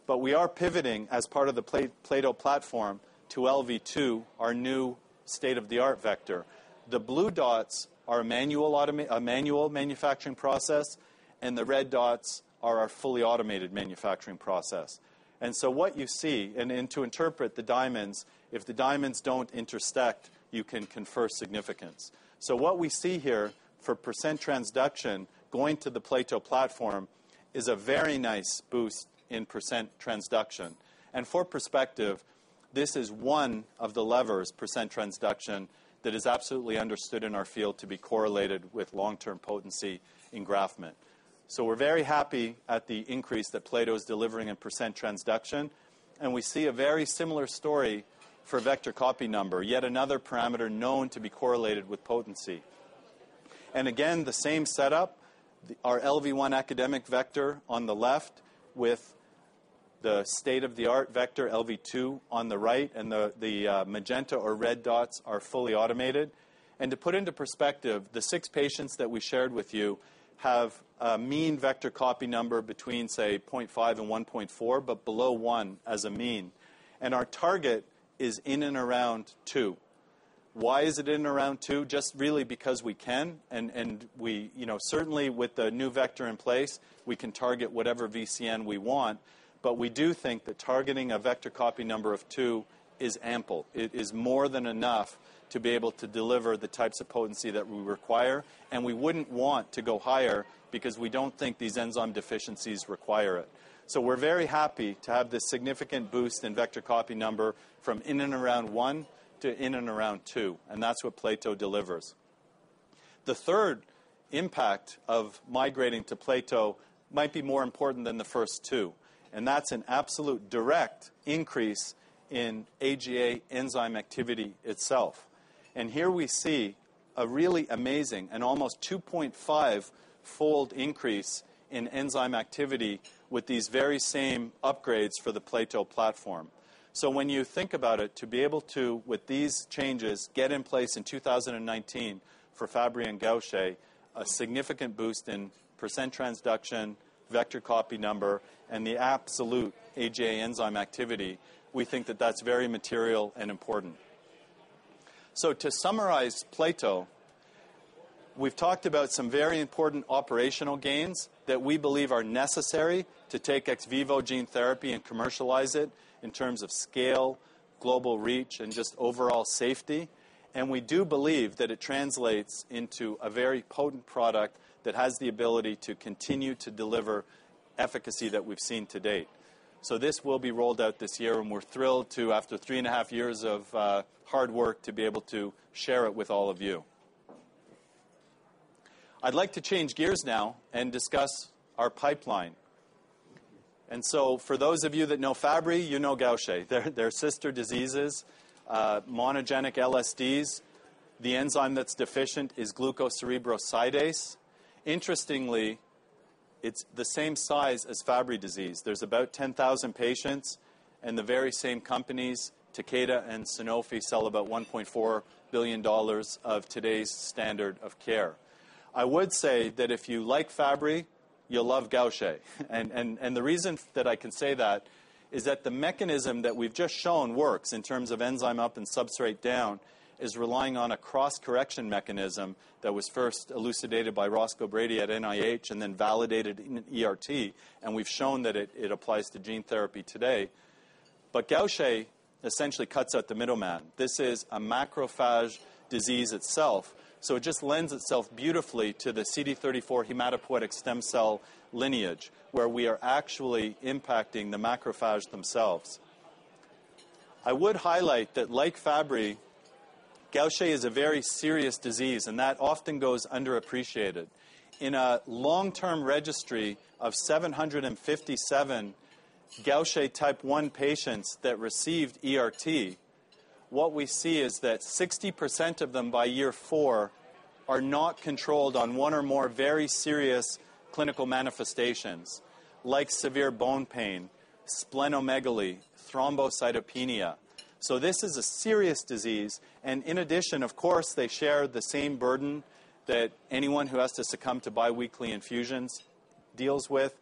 We are pivoting as part of the Plato platform to LV2, our new state-of-the-art vector. The blue dots are a manual manufacturing process, the red dots are our fully automated manufacturing process. What you see, and to interpret the diamonds, if the diamonds don't intersect, you can confer significance. What we see here for percent transduction going to the Plato platform is a very nice boost in percent transduction. For perspective, this is one of the levers, percent transduction, that is absolutely understood in our field to be correlated with long-term potency engraftment. We're very happy at the increase that Plato is delivering in percent transduction, and we see a very similar story for vector copy number, yet another parameter known to be correlated with potency. Again, the same setup, our LV1 academic vector on the left with the state-of-the-art vector LV2 on the right, and the magenta or red dots are fully automated. To put into perspective, the six patients that we shared with you have a mean vector copy number between, say, 0.5 and 1.4, but below one as a mean. Our target is in and around two. Why is it in and around two? Just really because we can, and certainly with the new vector in place, we can target whatever VCN we want. We do think that targeting a vector copy number of two is ample. It is more than enough to be able to deliver the types of potency that we require, and we wouldn't want to go higher because we don't think these enzyme deficiencies require it. We're very happy to have this significant boost in vector copy number from in and around one to in and around two, and that's what Plato delivers. The third impact of migrating to Plato might be more important than the first two, and that's an absolute direct increase in AGA enzyme activity itself. Here we see a really amazing and almost 2.5-fold increase in enzyme activity with these very same upgrades for the Plato platform. When you think about it, to be able to, with these changes, get in place in 2019 for Fabry and Gaucher, a significant boost in percent transduction, vector copy number, and the absolute AGA enzyme activity, we think that that's very material and important. To summarize Plato, we've talked about some very important operational gains that we believe are necessary to take ex vivo gene therapy and commercialize it in terms of scale, global reach, and just overall safety. We do believe that it translates into a very potent product that has the ability to continue to deliver efficacy that we've seen to date. This will be rolled out this year, and we're thrilled to, after three and a half years of hard work, to be able to share it with all of you. I'd like to change gears now and discuss our pipeline. For those of you that know Fabry, you know Gaucher. They're sister diseases, monogenic LSDs. The enzyme that's deficient is glucocerebrosidase. Interestingly, it's the same size as Fabry disease. There's about 10,000 patients, and the very same companies, Takeda and Sanofi, sell about $1.4 billion of today's standard of care. I would say that if you like Fabry, you'll love Gaucher. The reason that I can say that is that the mechanism that we've just shown works in terms of enzyme up and substrate down is relying on a cross-correction mechanism that was first elucidated by Roscoe Brady at NIH and then validated in ERT, we've shown that it applies to gene therapy today. Gaucher essentially cuts out the middleman. This is a macrophage disease itself, so it just lends itself beautifully to the CD34 hematopoietic stem cell lineage, where we are actually impacting the macrophage themselves. I would highlight that like Fabry, Gaucher is a very serious disease, that often goes underappreciated. In a long-term registry of 757 Gaucher type one patients that received ERT, what we see is that 60% of them by year four are not controlled on one or more very serious clinical manifestations like severe bone pain, splenomegaly, thrombocytopenia. This is a serious disease. In addition, of course, they share the same burden that anyone who has to succumb to biweekly infusions deals with.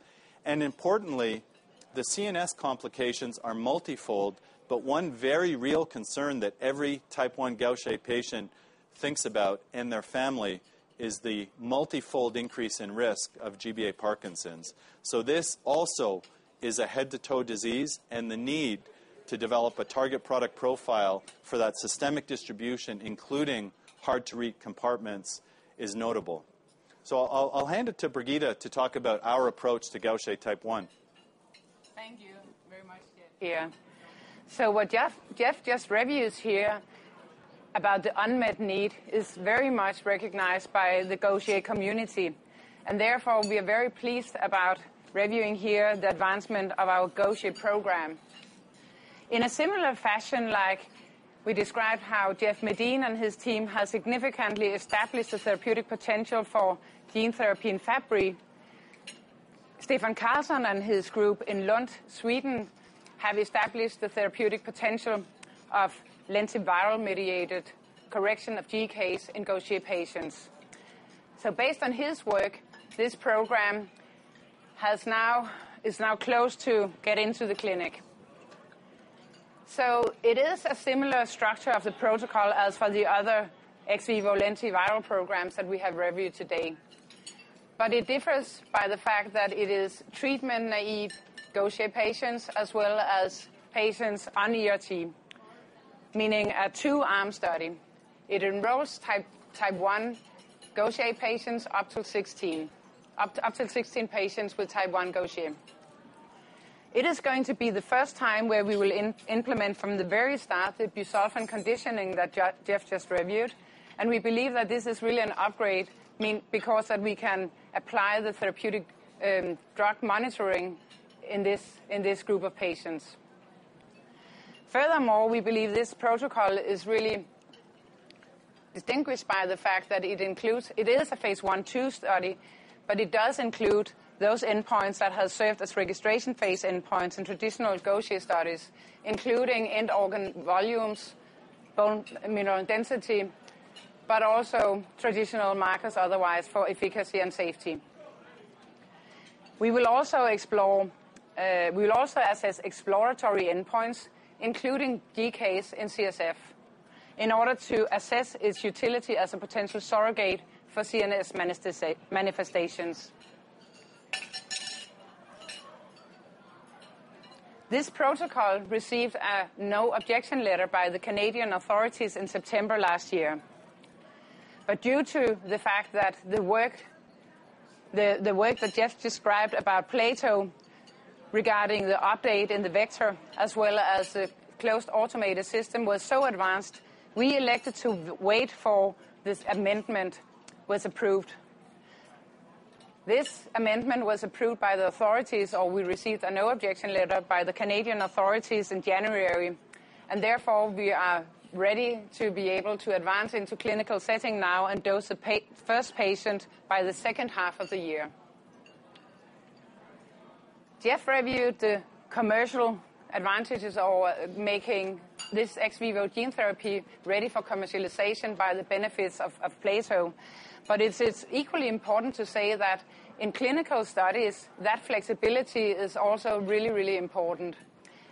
Importantly, the CNS complications are multifold, but one very real concern that every type one Gaucher patient thinks about in their family is the multifold increase in risk of GBA Parkinson's. This also is a head-to-toe disease, and the need to develop a target product profile for that systemic distribution, including hard-to-reach compartments, is notable. I'll hand it to Birgitte to talk about our approach to Gaucher type one. Thank you very much, Geoff. What Geoff just reviewed here about the unmet need is very much recognized by the Gaucher community, therefore we are very pleased about reviewing here the advancement of our Gaucher program. In a similar fashion like we described how Jeff Medin and his team has significantly established the therapeutic potential for gene therapy in Fabry, Stefan Karlsson and his group in Lund, Sweden, have established the therapeutic potential of lentiviral mediated correction of GCase in Gaucher patients. Based on his work, this program is now close to get into the clinic. It is a similar structure of the protocol as for the other ex vivo lentiviral programs that we have reviewed today. But it differs by the fact that it is treatment-naive Gaucher patients as well as patients on ERT, meaning a two-arm study. It enrolls up to 16 patients with type one Gaucher. It is going to be the first time where we will implement from the very start the busulfan conditioning that Geoff just reviewed, and we believe that this is really an upgrade, because that we can apply the therapeutic drug monitoring in this group of patients. Furthermore, we believe this protocol is really distinguished by the fact that it is a phase I/II study, but it does include those endpoints that have served as registration phase endpoints in traditional Gaucher studies, including end organ volumes, bone mineral density, but also traditional markers otherwise for efficacy and safety. We will also assess exploratory endpoints, including GCase and CSF, in order to assess its utility as a potential surrogate for CNS manifestations. This protocol received a no objection letter by the Canadian authorities in September last year. Due to the fact that the work that Geoff described about Plato regarding the update in the vector as well as the closed automated system was so advanced, we elected to wait for this amendment was approved. This amendment was approved by the authorities, or we received a no objection letter by the Canadian authorities in January, and therefore we are ready to be able to advance into clinical setting now and dose the first patient by the second half of the year. Geoff reviewed the commercial advantages of making this ex vivo gene therapy ready for commercialization by the benefits of Plato. It's equally important to say that in clinical studies, that flexibility is also really important.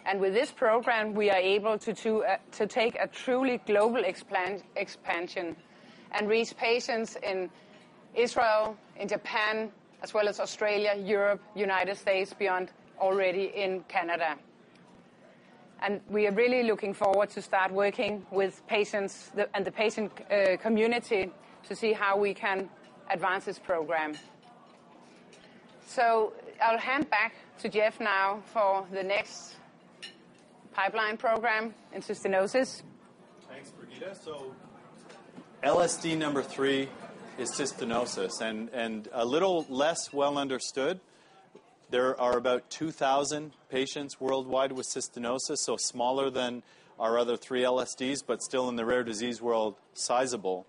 And with this program, we are able to take a truly global expansion and reach patients in Israel, in Japan, as well as Australia, Europe, United States, beyond already in Canada. We are really looking forward to start working with patients and the patient community to see how we can advance this program. I'll hand back to Geoff now for the next pipeline program, cystinosis. Thanks, Birgitte. LSD number three is cystinosis and a little less well understood. There are about 2,000 patients worldwide with cystinosis, so smaller than our other 3 LSDs, but still in the rare disease world, sizable.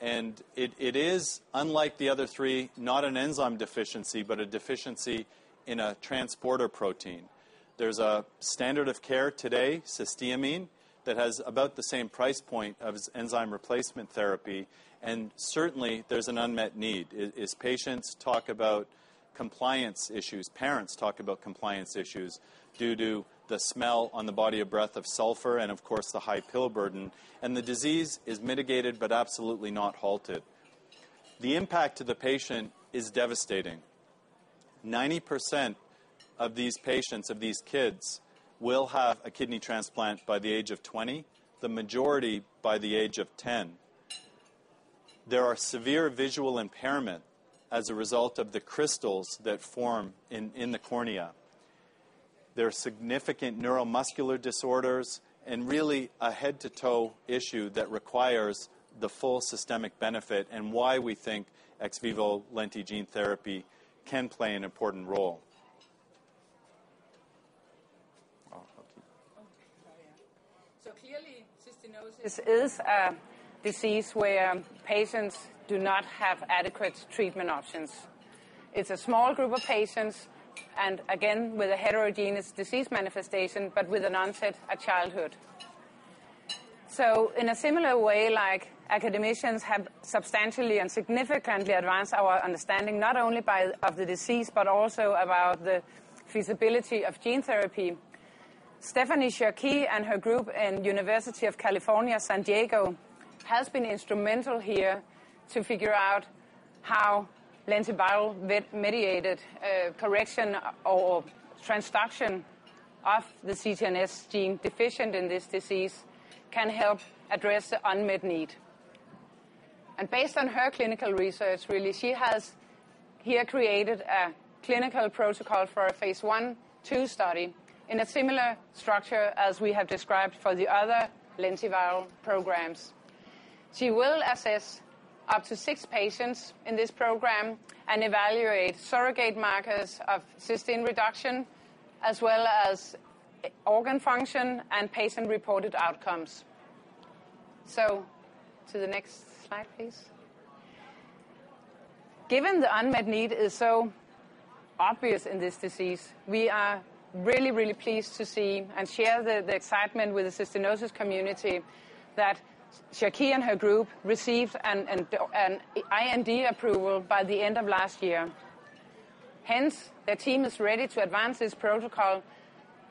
It is, unlike the other three, not an enzyme deficiency, but a deficiency in a transporter protein. There's a standard of care today, cysteamine, that has about the same price point of enzyme replacement therapy. Certainly, there's an unmet need, as patients talk about compliance issues, parents talk about compliance issues due to the smell on the body or breath of sulfur, and of course, the high pill burden. The disease is mitigated, but absolutely not halted. The impact to the patient is devastating. 90% of these patients, of these kids, will have a kidney transplant by the age of 20, the majority by the age of 10. There are severe visual impairment as a result of the crystals that form in the cornea. There are significant neuromuscular disorders, and really a head-to-toe issue that requires the full systemic benefit and why we think ex vivo lenti gene therapy can play an important role. Okay. Sorry. Clearly, cystinosis is a disease where patients do not have adequate treatment options. It's a small group of patients, and again, with a heterogeneous disease manifestation, but with an onset at childhood. In a similar way, like academicians have substantially and significantly advanced our understanding, not only of the disease, but also about the feasibility of gene therapy. Stéphanie Cherqui and her group in University of California San Diego has been instrumental here to figure out how lentiviral mediated correction or transduction of the CTNS gene deficient in this disease can help address the unmet need. Based on her clinical research, really, she has here created a clinical protocol for a phase I/II study in a similar structure as we have described for the other lentiviral programs. She will assess up to six patients in this program and evaluate surrogate markers of cystine reduction, as well as organ function and patient-reported outcomes. To the next slide, please. Given the unmet need is so obvious in this disease, we are really, really pleased to see and share the excitement with the cystinosis community that Cherqui and her group received an IND approval by the end of last year. Their team is ready to advance this protocol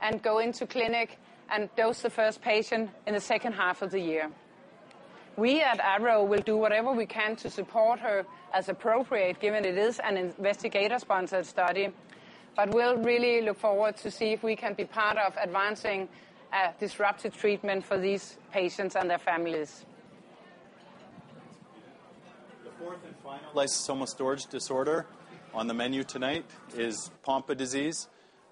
and go into clinic and dose the first patient in the second half of the year. We at AVROBIO will do whatever we can to support her as appropriate, given it is an investigator-sponsored study, but we'll really look forward to see if we can be part of advancing a disruptive treatment for these patients and their families. Thanks, Birgitte. The fourth and final lysosomal storage disorder on the menu tonight is Pompe disease.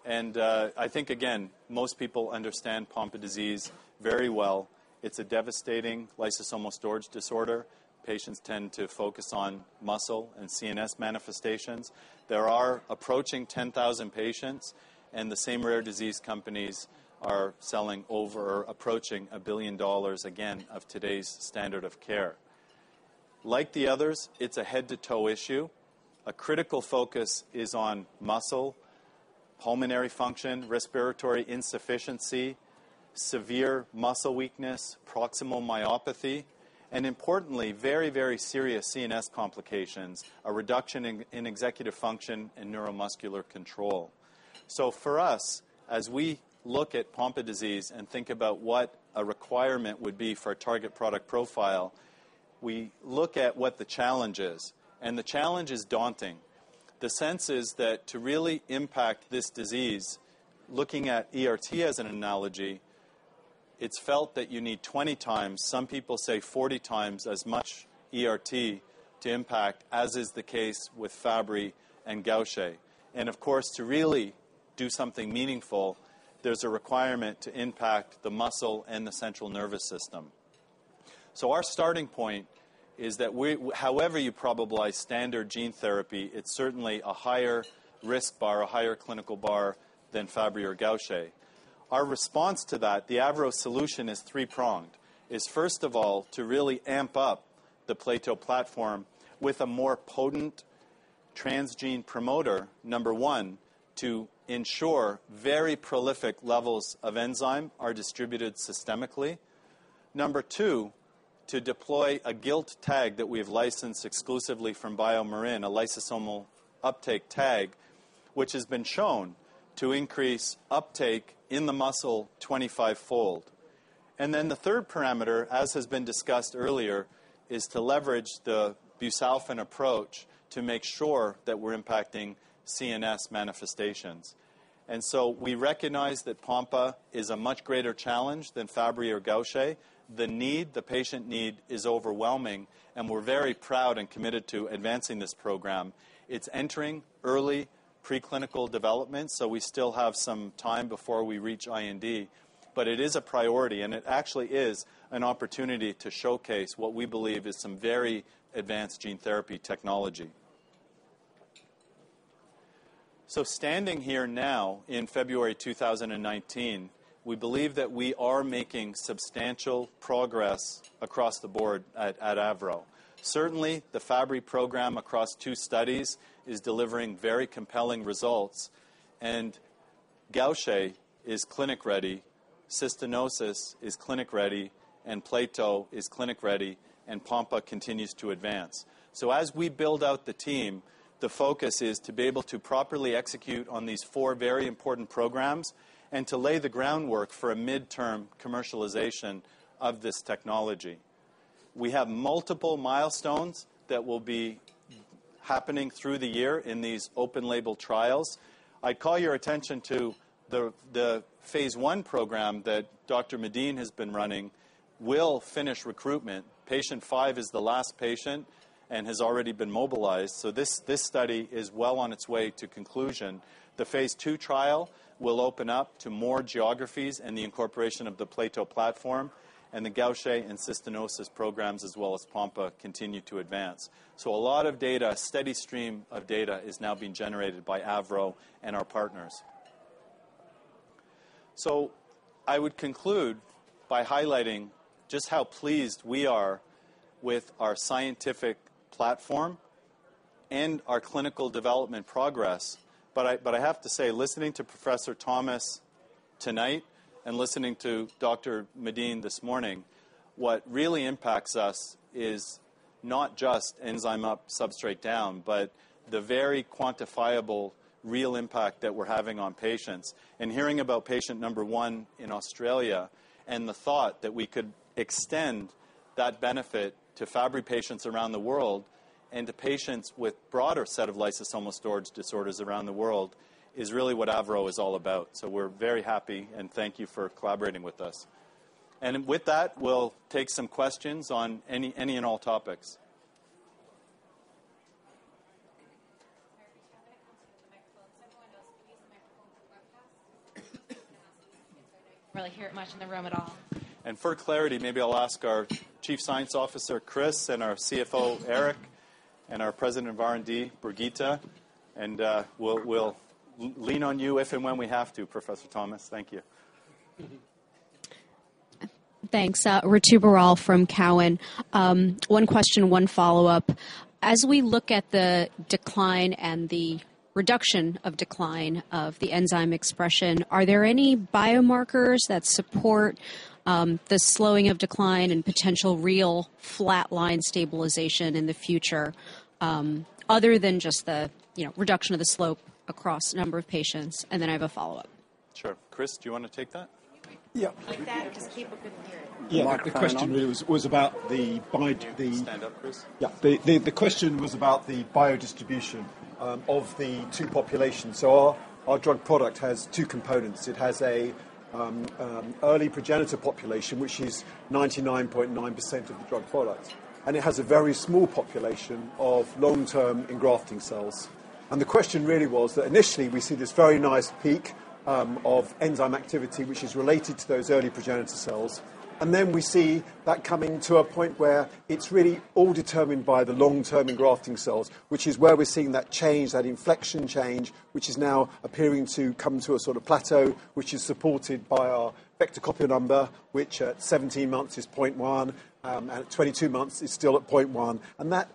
I think, again, most people understand Pompe disease very well. It's a devastating lysosomal storage disorder. Patients tend to focus on muscle and CNS manifestations. There are approaching 10,000 patients, and the same rare disease companies are selling over, approaching $1 billion, again, of today's standard of care. Like the others, it's a head-to-toe issue. A critical focus is on muscle, pulmonary function, respiratory insufficiency, severe muscle weakness, proximal myopathy, and importantly, very, very serious CNS complications, a reduction in executive function and neuromuscular control. For us, as we look at Pompe disease and think about what a requirement would be for a target product profile, we look at what the challenge is, and the challenge is daunting. The sense is that to really impact this disease, looking at ERT as an analogy, it's felt that you need 20 times, some people say 40 times, as much ERT to impact as is the case with Fabry and Gaucher. Of course, to really do something meaningful, there's a requirement to impact the muscle and the central nervous system. Our starting point is that however you probabilize standard gene therapy, it's certainly a higher risk bar, a higher clinical bar than Fabry or Gaucher. Our response to that, the AVROBIO solution, is three-pronged. Is first of all, to really amp up the Plato platform with a more potent transgene promoter, number one, to ensure very prolific levels of enzyme are distributed systemically. Number two, to deploy a GILT tag that we've licensed exclusively from BioMarin, a lysosomal uptake tag, which has been shown to increase uptake in the muscle 25-fold. The third parameter, as has been discussed earlier, is to leverage the busulfan approach to make sure that we're impacting CNS manifestations. We recognize that Pompe is a much greater challenge than Fabry or Gaucher. The patient need is overwhelming, and we're very proud and committed to advancing this program. It's entering early preclinical development, so we still have some time before we reach IND. It is a priority, and it actually is an opportunity to showcase what we believe is some very advanced gene therapy technology. Standing here now in February 2019, we believe that we are making substantial progress across the board at AVRO. Certainly, the Fabry program across two studies is delivering very compelling results, Gaucher is clinic-ready, cystinosis is clinic-ready, Plato is clinic-ready, Pompe continues to advance. As we build out the team, the focus is to be able to properly execute on these four very important programs and to lay the groundwork for a midterm commercialization of this technology. We have multiple milestones that will be happening through the year in these open label trials. I call your attention to the phase I program that Dr. Medin has been running will finish recruitment. Patient 5 is the last patient and has already been mobilized. This study is well on its way to conclusion. The phase II trial will open up to more geographies and the incorporation of the Plato platform, the Gaucher and cystinosis programs, as well as Pompe, continue to advance. A lot of data, a steady stream of data is now being generated by AVRO and our partners. I would conclude by highlighting just how pleased we are with our scientific platform and our clinical development progress. I have to say, listening to Professor Thomas tonight and listening to Dr. Medin this morning, what really impacts us is not just enzyme up, substrate down, but the very quantifiable, real impact that we're having on patients. Hearing about patient number one in Australia and the thought that we could extend that benefit to Fabry patients around the world and to patients with broader set of lysosomal storage disorders around the world is really what AVRO is all about. We're very happy, and thank you for collaborating with us. With that, we'll take some questions on any and all topics. Mary, could you have it come through the microphone? Someone else could use the microphone for the webcast. We cannot really hear it much in the room at all. For clarity, maybe I'll ask our Chief Science Officer, Chris, and our CFO, Erik, and our President of R&D, Birgitte Volck, and we'll lean on you if and when we have to, Professor Thomas. Thank you. Thanks. Ritu Baral from Cowen. One question, one follow-up. As we look at the decline and the reduction of decline of the enzyme expression, are there any biomarkers that support the slowing of decline and potential real flatline stabilization in the future other than just the reduction of the slope across number of patients? Then I have a follow-up. Sure. Chris, do you want to take that? Yeah. Like that because people couldn't hear it. You want the microphone on? Yeah. The question really was about the. Can you stand up, Chris? Yeah. The question was about the biodistribution of the two populations. Our drug product has two components. It has an early progenitor population, which is 99.9% of the drug product, and it has a very small population of long-term engrafting cells. The question really was that initially we see this very nice peak of enzyme activity, which is related to those early progenitor cells. Then we see that coming to a point where it's really all determined by the long-term engrafting cells, which is where we're seeing that change, that inflection change, which is now appearing to come to a sort of plateau, which is supported by our vector copy number, which at 17 months is 0.1, and at 22 months is still at 0.1. That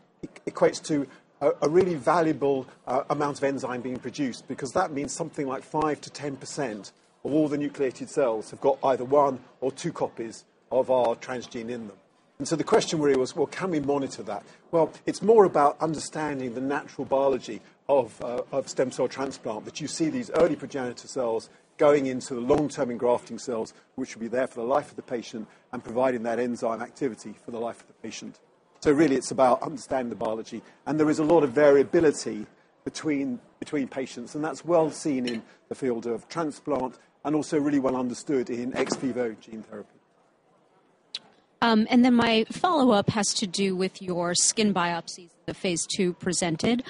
equates to a really valuable amount of enzyme being produced because that means something like 5%-10% of all the nucleated cells have got either one or two copies of our transgene in them. The question really was, well, can we monitor that? Well, it's more about understanding the natural biology of stem cell transplant, that you see these early progenitor cells going into the long-term engrafting cells, which will be there for the life of the patient and providing that enzyme activity for the life of the patient. Really it's about understanding the biology, and there is a lot of variability between patients, and that's well seen in the field of transplant and also really well understood in ex vivo gene therapy. My follow-up has to do with your skin biopsies that phase II presented.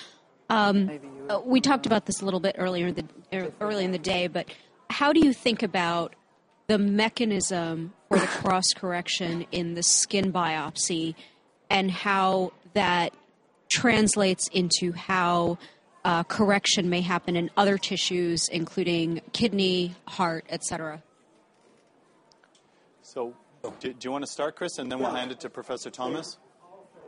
Maybe you. We talked about this a little bit earlier in the day, how do you think about the mechanism for the cross-correction in the skin biopsy and how that translates into how correction may happen in other tissues, including kidney, heart, et cetera? Do you want to start, Chris, and then we'll hand it to Professor Thomas?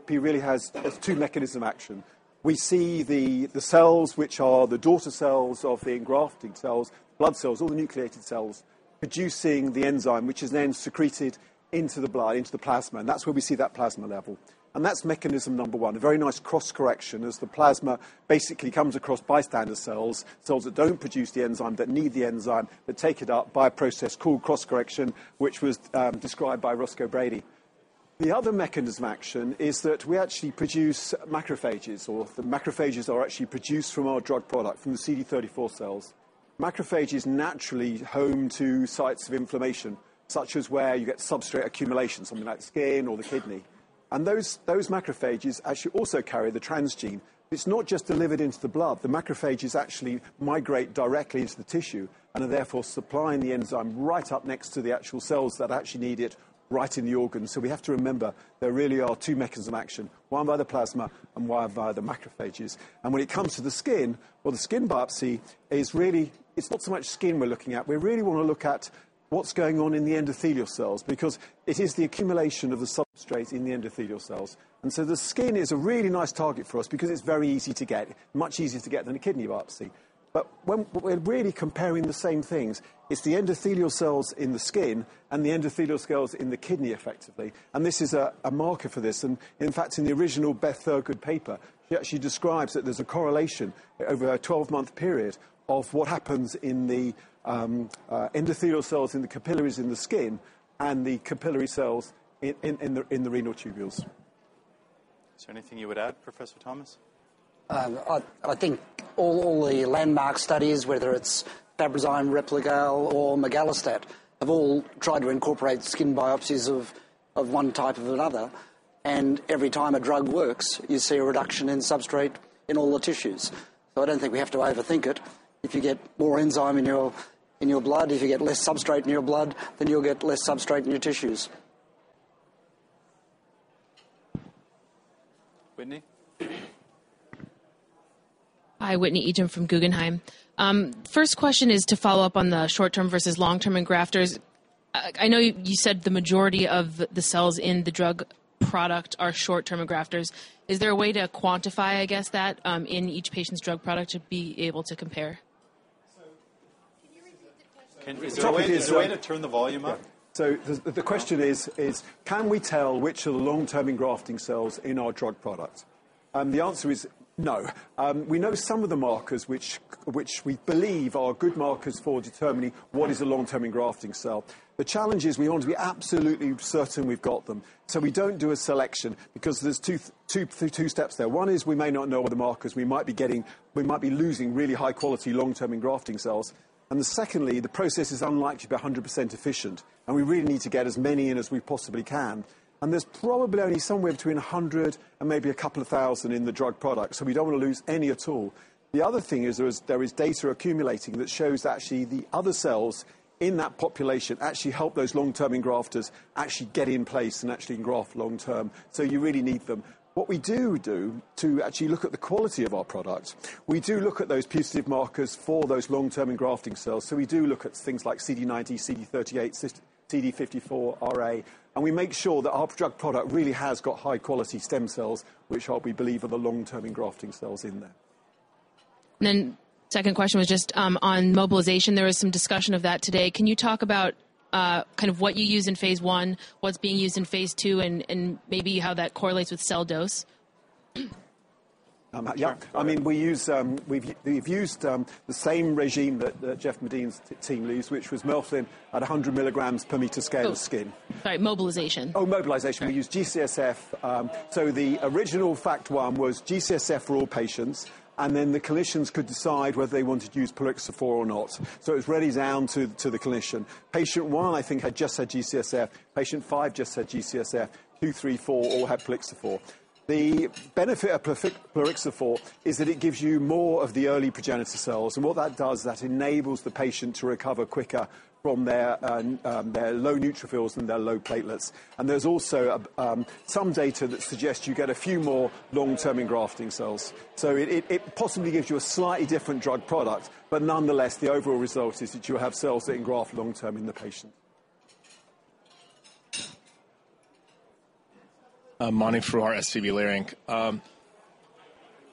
He really has two mechanism action. We see the cells which are the daughter cells of the engrafting cells, blood cells, all the nucleated cells, producing the enzyme, which is then secreted into the blood, into the plasma, and that's where we see that plasma level. That's mechanism number one, a very nice cross-correction as the plasma basically comes across bystander cells that don't produce the enzyme, that need the enzyme, that take it up by a process called cross-correction, which was described by Roscoe Brady. The other mechanism action is that we actually produce macrophages, or the macrophages are actually produced from our drug product, from the CD34 cells. Macrophages naturally home to sites of inflammation, such as where you get substrate accumulations on the skin or the kidney. Those macrophages actually also carry the transgene. It's not just delivered into the blood. The macrophages actually migrate directly into the tissue and are therefore supplying the enzyme right up next to the actual cells that actually need it right in the organ. We have to remember there really are two mechanism action, one via the plasma and one via the macrophages. When it comes to the skin, well, the skin biopsy is really, it's not so much skin we're looking at. We really want to look at what's going on in the endothelial cells, because it is the accumulation of the substrate in the endothelial cells. The skin is a really nice target for us because it's very easy to get, much easier to get than a kidney biopsy. What we're really comparing the same things, it's the endothelial cells in the skin and the endothelial cells in the kidney, effectively, and this is a marker for this. In fact, in the original Beth Thurgood paper, she actually describes that there's a correlation over a 12 month period of what happens in the endothelial cells in the capillaries in the skin and the capillary cells in the renal tubules. Is there anything you would add, Professor Thomas? I think all the landmark studies, whether it's Fabrazyme, Replagal or migalastat, have all tried to incorporate skin biopsies of one type or another, and every time a drug works, you see a reduction in substrate in all the tissues. I don't think we have to overthink it. If you get more enzyme in your blood, if you get less substrate in your blood, you'll get less substrate in your tissues. Whitney? Hi, Whitney Ijem from Guggenheim. First question is to follow up on the short-term versus long-term engrafters. I know you said the majority of the cells in the drug product are short-term engrafters. Is there a way to quantify, I guess, that, in each patient's drug product to be able to compare? Can you repeat the question? Is there a way to turn the volume up? The question is: Can we tell which are the long-term engrafting cells in our drug product? The answer is no. We know some of the markers, which we believe are good markers for determining what is a long-term engrafting cell. The challenge is we want to be absolutely certain we've got them. We don't do a selection because there's two steps there. One is we may not know all the markers. We might be losing really high-quality, long-term engrafting cells. Secondly, the process is unlikely to be 100% efficient, and we really need to get as many in as we possibly can. There's probably only somewhere between 100 and maybe a couple of thousand in the drug product. We don't want to lose any at all. The other thing is there is data accumulating that shows that actually the other cells in that population actually help those long-term engrafters actually get in place and actually engraft long term. You really need them. What we do to actually look at the quality of our product, we do look at those piece of markers for those long-term engrafting cells. We do look at things like CD90, CD38, CD45RA, and we make sure that our drug product really has got high-quality stem cells, which we believe are the long-term engrafting cells in there. Second question was just on mobilization. There was some discussion of that today. Can you talk about what you use in phase I, what's being used in phase II, and maybe how that correlates with cell dose? We've used the same regime that Jeffrey Medin's team used, which was melphalan at 100 mg/m scale of skin. Sorry, mobilization. Mobilization. We use G-CSF. The original FACT 1 was G-CSF for all patients. The clinicians could decide whether they wanted to use plerixafor or not. It's really down to the clinician. Patient one, I think, had just had G-CSF. Patient five just had G-CSF. Two, three, four, all had plerixafor. The benefit of plerixafor is that it gives you more of the early progenitor cells. What that does, that enables the patient to recover quicker from their low neutrophils and their low platelets. There's also some data that suggests you get a few more long-term engrafting cells. It possibly gives you a slightly different drug product. Nonetheless, the overall result is that you have cells that engraft long term in the patient. Mani Foroohar, SVB Leerink.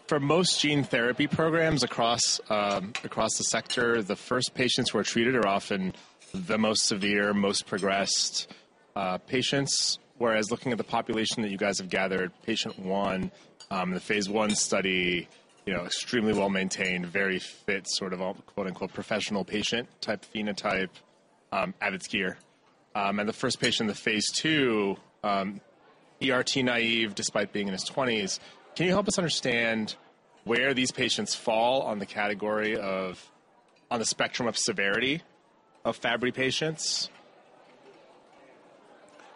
For most gene therapy programs across the sector, the first patients who are treated are often the most severe, most progressed patients. Whereas looking at the population that you guys have gathered, patient one, the phase I study, extremely well-maintained, very fit, sort of a "professional patient" type phenotype at its gear. The first patient in the phase II, ERT naive, despite being in his 20s. Can you help us understand where these patients fall on the category of the spectrum of severity of Fabry patients?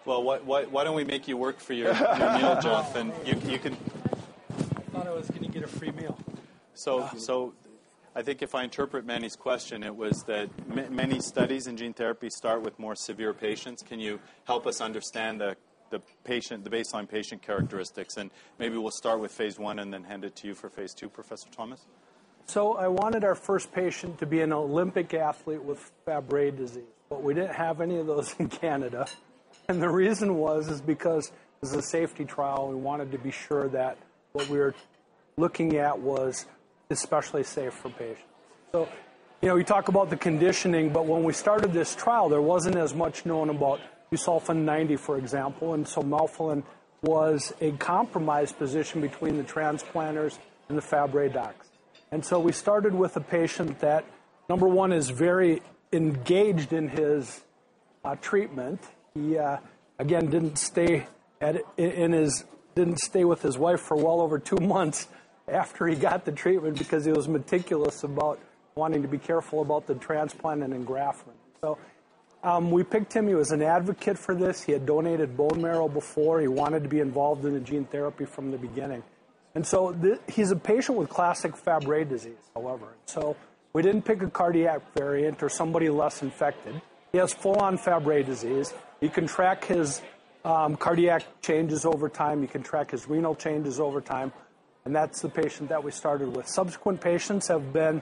Well, why don't we make you work for your meal, Jothan? I thought I was going to get a free meal. I think if I interpret Mani's question, it was that many studies in gene therapy start with more severe patients. Can you help us understand the baseline patient characteristics? Maybe we'll start with phase I and then hand it to you for phase II, Professor Thomas. I wanted our first patient to be an Olympic athlete with Fabry disease, but we didn't have any of those in Canada. The reason was is because it was a safety trial. We wanted to be sure that what we were looking at was especially safe for patients. We talk about the conditioning, but when we started this trial, there wasn't as much known about busulfan 90, for example. Melphalan was a compromised position between the transplanters and the Fabry docs. We started with a patient that, number one, is very engaged in his treatment. He, again, didn't stay with his wife for well over two months after he got the treatment because he was meticulous about wanting to be careful about the transplant and engraftment. We picked him. He was an advocate for this. He had donated bone marrow before. He wanted to be involved in the gene therapy from the beginning. He's a patient with classic Fabry disease, however. We didn't pick a cardiac variant or somebody less infected. He has full-on Fabry disease. You can track his cardiac changes over time. You can track his renal changes over time, and that's the patient that we started with. Subsequent patients have been,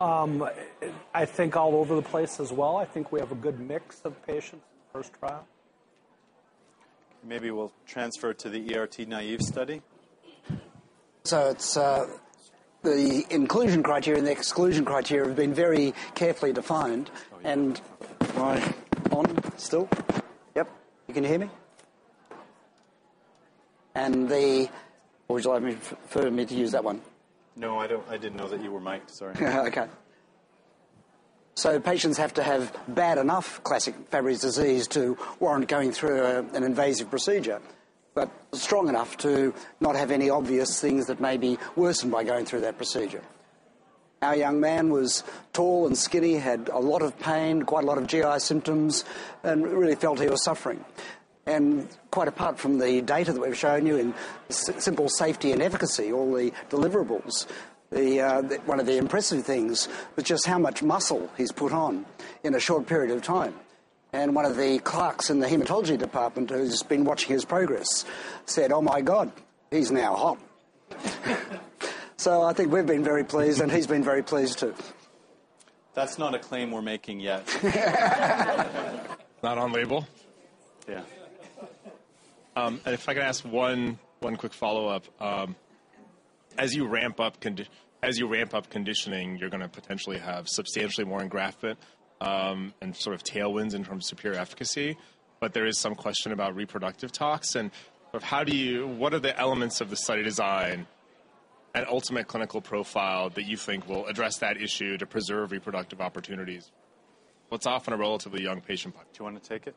I think, all over the place as well. I think we have a good mix of patients in the first trial. Maybe we'll transfer to the ERT-naive study. The inclusion criteria and the exclusion criteria have been very carefully defined. Am I on still? Yep. You can hear me? Would you prefer me to use that one? No, I didn't know that you were miked, sorry. Okay. Patients have to have bad enough classic Fabry disease to warrant going through an invasive procedure, but strong enough to not have any obvious things that may be worsened by going through that procedure. Our young man was tall and skinny, had a lot of pain, quite a lot of GI symptoms, and really felt he was suffering. Quite apart from the data that we've shown you in simple safety and efficacy, all the deliverables, one of the impressive things was just how much muscle he's put on in a short period of time. One of the clerks in the hematology department who's been watching his progress said, "Oh my God, he's now hot." I think we've been very pleased, and he's been very pleased too. That's not a claim we're making yet. Not on label? Yeah. If I could ask one quick follow-up. As you ramp up conditioning, you're going to potentially have substantially more engraftment, and sort of tailwinds in terms of pure efficacy, but there is some question about reproductive tox, and what are the elements of the study design and ultimate clinical profile that you think will address that issue to preserve reproductive opportunities? What's often a relatively young patient population. Do you want to take it?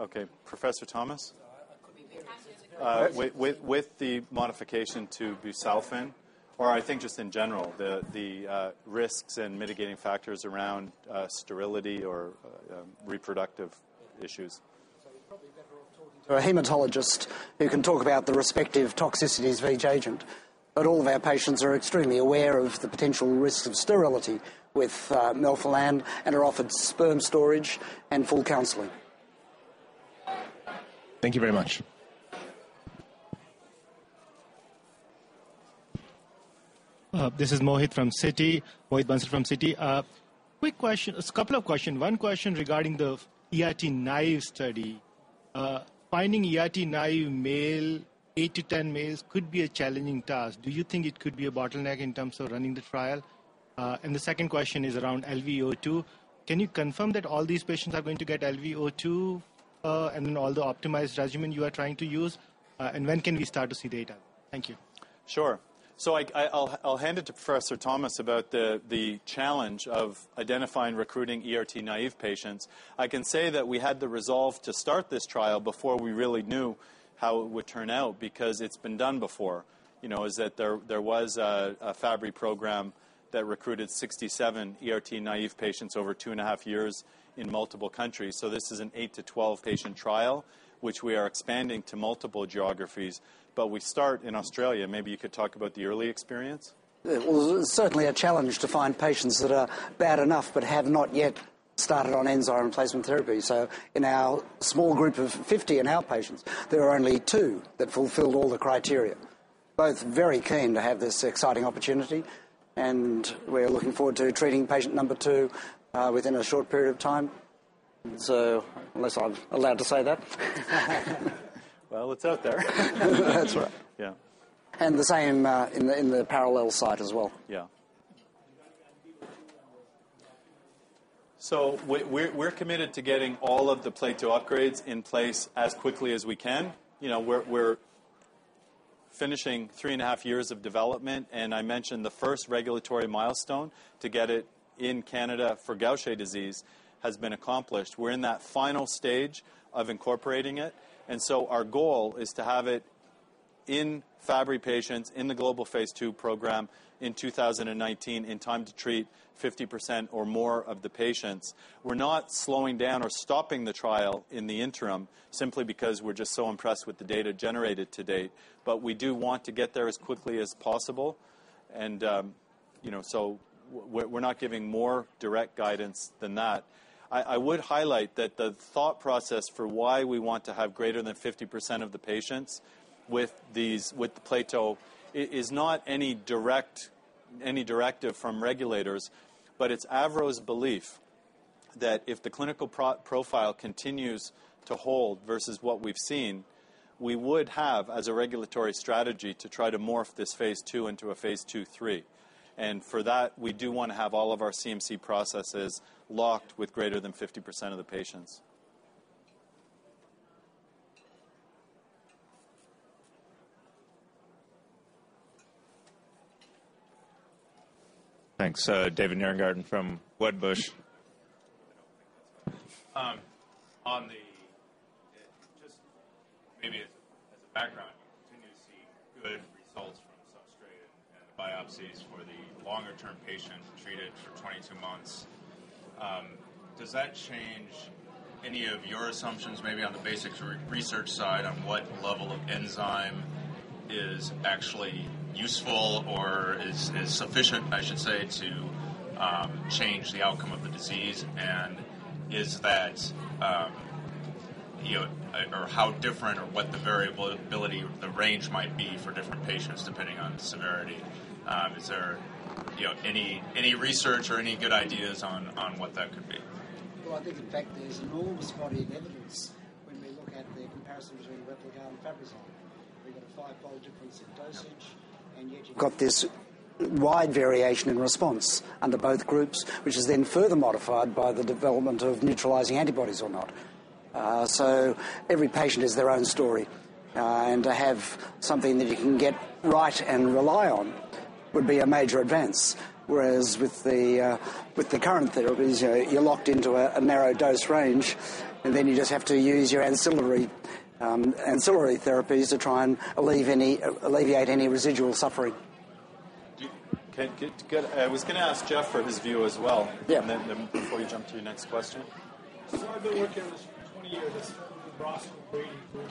Okay. Professor Thomas? I could be very. With the modification to busulfan, or I think just in general, the risks and mitigating factors around sterility or reproductive issues. You're probably better off talking to a hematologist who can talk about the respective toxicities of each agent. All of our patients are extremely aware of the potential risks of sterility with melphalan and are offered sperm storage and full counseling. Thank you very much. This is Mohit Bansal from Citi. Quick question, a couple of questions. One question regarding the ERT naive study. Finding ERT naive male, eight to 10 males, could be a challenging task. Do you think it could be a bottleneck in terms of running the trial? The second question is around LV2. Can you confirm that all these patients are going to get LV2, all the optimized regimen you are trying to use? When can we start to see data? Thank you. Sure. I'll hand it to Professor Thomas about the challenge of identifying recruiting ERT naive patients. I can say that we had the resolve to start this trial before we really knew how it would turn out because it's been done before. There was a Fabry program that recruited 67 ERT naive patients over two and a half years in multiple countries. This is an 8-12-patient trial, which we are expanding to multiple geographies. We start in Australia. Maybe you could talk about the early experience. Well, certainly a challenge to find patients that are bad enough but have not yet started on enzyme replacement therapy. In our small group of 50 in our patients, there are only two that fulfilled all the criteria, both very keen to have this exciting opportunity, and we're looking forward to treating patient number two within a short period of time. Unless I'm allowed to say that. It's out there. That's right. Yeah. The same in the parallel site as well. We're committed to getting all of the Plato upgrades in place as quickly as we can. We're finishing three and a half years of development, I mentioned the first regulatory milestone to get it in Canada for Gaucher disease has been accomplished. We're in that final stage of incorporating it, our goal is to have it in Fabry patients in the global phase II program in 2019, in time to treat 50% or more of the patients. We're not slowing down or stopping the trial in the interim simply because we're just so impressed with the data generated to date, but we do want to get there as quickly as possible. We're not giving more direct guidance than that. I would highlight that the thought process for why we want to have greater than 50% of the patients with the Plato is not any directive from regulators, but it's AVROBIO's belief that if the clinical profile continues to hold versus what we've seen, we would have, as a regulatory strategy, to try to morph this phase II into a phase II/III. For that, we do want to have all of our CMC processes locked with greater than 50% of the patients. Thanks. David Nierengarten from Wedbush. Just maybe as a background, we continue to see good results from substrate and biopsies for the longer term patient treated for 22 months. Does that change any of your assumptions, maybe on the basic research side, on what level of enzyme is actually useful or is sufficient, I should say, to change the outcome of the disease? Is that, or how different or what the variability of the range might be for different patients, depending on severity? Is there any research or any good ideas on what that could be? Well, I think the fact there's an enormous body of evidence when we look at the comparison between Replagal and Fabrazyme. We've got a five-fold difference in dosage, yet you've got this wide variation in response under both groups, which is then further modified by the development of neutralizing antibodies or not. Every patient has their own story. To have something that you can get right and rely on would be a major advance. Whereas with the current therapies, you're locked into a narrow dose range, you just have to use your ancillary therapies to try and alleviate any residual suffering. Okay, good. I was going to ask Jeff for his view as well. Yeah. Before you jump to your next question. I've been working on this for 20 years, this Roscoe Brady group,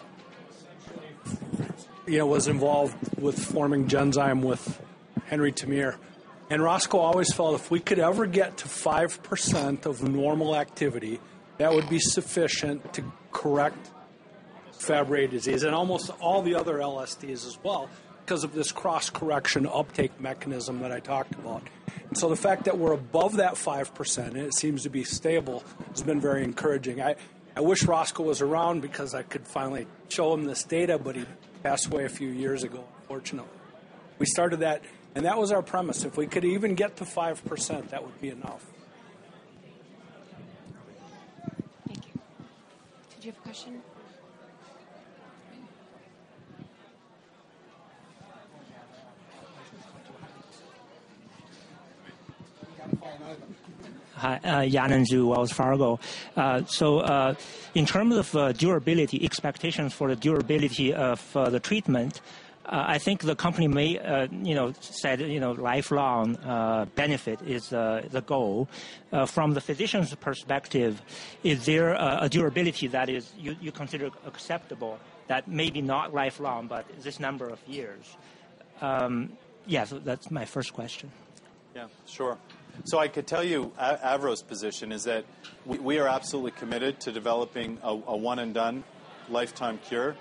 essentially, was involved with forming Genzyme with Henri Termeer. Roscoe always felt if we could ever get to 5% of normal activity, that would be sufficient to correct Fabry disease and almost all the other LSDs as well because of this cross-correction uptake mechanism that I talked about. The fact that we're above that 5%, and it seems to be stable, has been very encouraging. I wish Roscoe was around because I could finally show him this data, but he passed away a few years ago, unfortunately. We started that, and that was our premise. If we could even get to 5%, that would be enough. Thank you. Did you have a question? Me? We've got to call another. Hi, Yanan Zhu, Wells Fargo. In terms of durability, expectations for the durability of the treatment, I think the company may said lifelong benefit is the goal. From the physician's perspective, is there a durability that is you consider acceptable that may be not lifelong, but this number of years? That's my first question. Sure. I could tell you, AVROBIO's position is that we are absolutely committed to developing a one and done lifetime cure.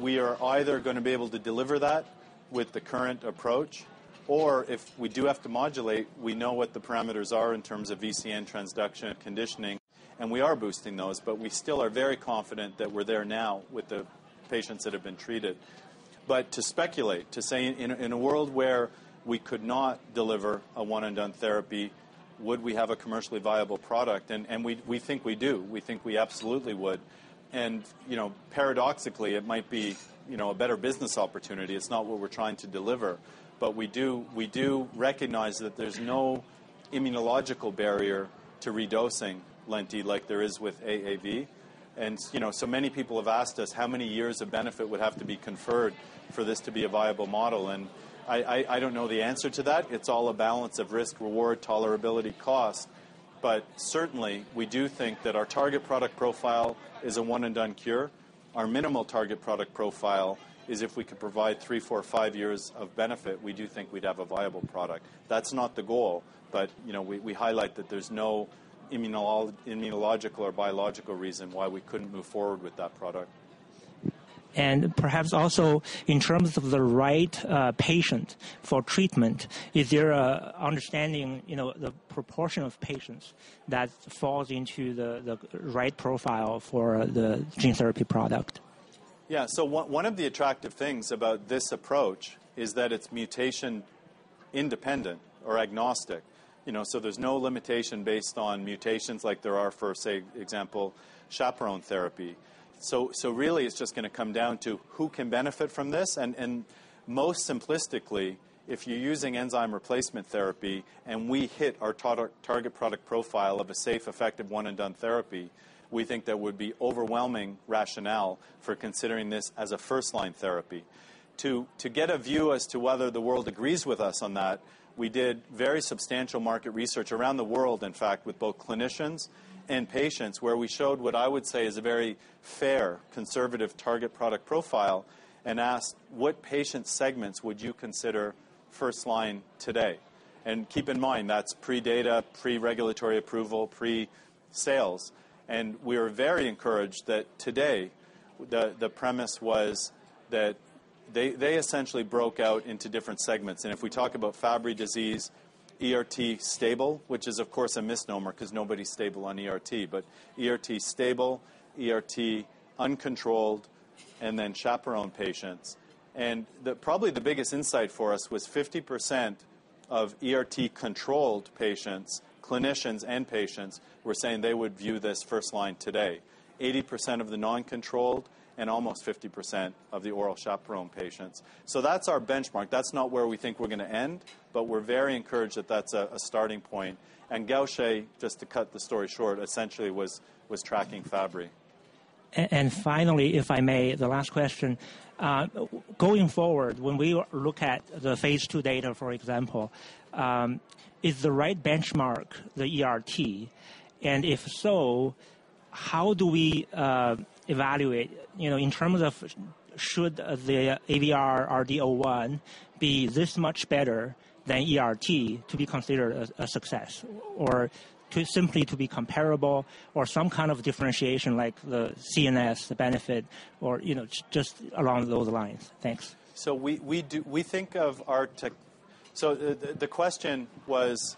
We are either going to be able to deliver that with the current approach, or if we do have to modulate, we know what the parameters are in terms of VCN transduction and conditioning. We are boosting those, but we still are very confident that we're there now with the patients that have been treated. To speculate, to say in a world where we could not deliver a one and done therapy, would we have a commercially viable product? We think we do. We think we absolutely would. Paradoxically, it might be a better business opportunity. It's not what we're trying to deliver. We do recognize that there's no immunological barrier to redosing Lenti like there is with AAV. Many people have asked us how many years of benefit would have to be conferred for this to be a viable model. I don't know the answer to that. It's all a balance of risk, reward, tolerability, cost. Certainly, we do think that our target product profile is a one and done cure. Our minimal target product profile is if we could provide three, four, five years of benefit, we do think we'd have a viable product. That's not the goal, but we highlight that there's no immunological or biological reason why we couldn't move forward with that product. Perhaps also in terms of the right patient for treatment, is there a understanding the proportion of patients that falls into the right profile for the gene therapy product? Yeah. One of the attractive things about this approach is that it's mutation independent or agnostic. There's no limitation based on mutations like there are for, say for example, chaperone therapy. Really, it's just going to come down to who can benefit from this. Most simplistically, if you're using enzyme replacement therapy and we hit our target product profile of a safe, effective one and done therapy, we think there would be overwhelming rationale for considering this as a first-line therapy. To get a view as to whether the world agrees with us on that, we did very substantial market research around the world, in fact, with both clinicians and patients, where we showed what I would say is a very fair, conservative target product profile and asked, "What patient segments would you consider first-line today?" Keep in mind, that's pre-data, pre-regulatory approval, pre-sales. We are very encouraged that today, the premise was that they essentially broke out into different segments. If we talk about Fabry disease, ERT stable, which is of course a misnomer because nobody's stable on ERT, but ERT stable, ERT uncontrolled, and then chaperone patients. Probably the biggest insight for us was 50% of ERT-controlled patients, clinicians and patients, were saying they would view this first-line today, 80% of the non-controlled, and almost 50% of the oral chaperone patients. That's our benchmark. That's not where we think we're going to end, but we're very encouraged that that's a starting point. Gaucher, just to cut the story short, essentially was tracking Fabry. Finally, if I may, the last question. Going forward, when we look at the phase II data, for example, is the right benchmark the ERT? If so, how do we evaluate in terms of should the AVR-RD-01 be this much better than ERT to be considered a success? Or simply to be comparable or some kind of differentiation like the CNS, the benefit, or just along those lines? Thanks. The question was,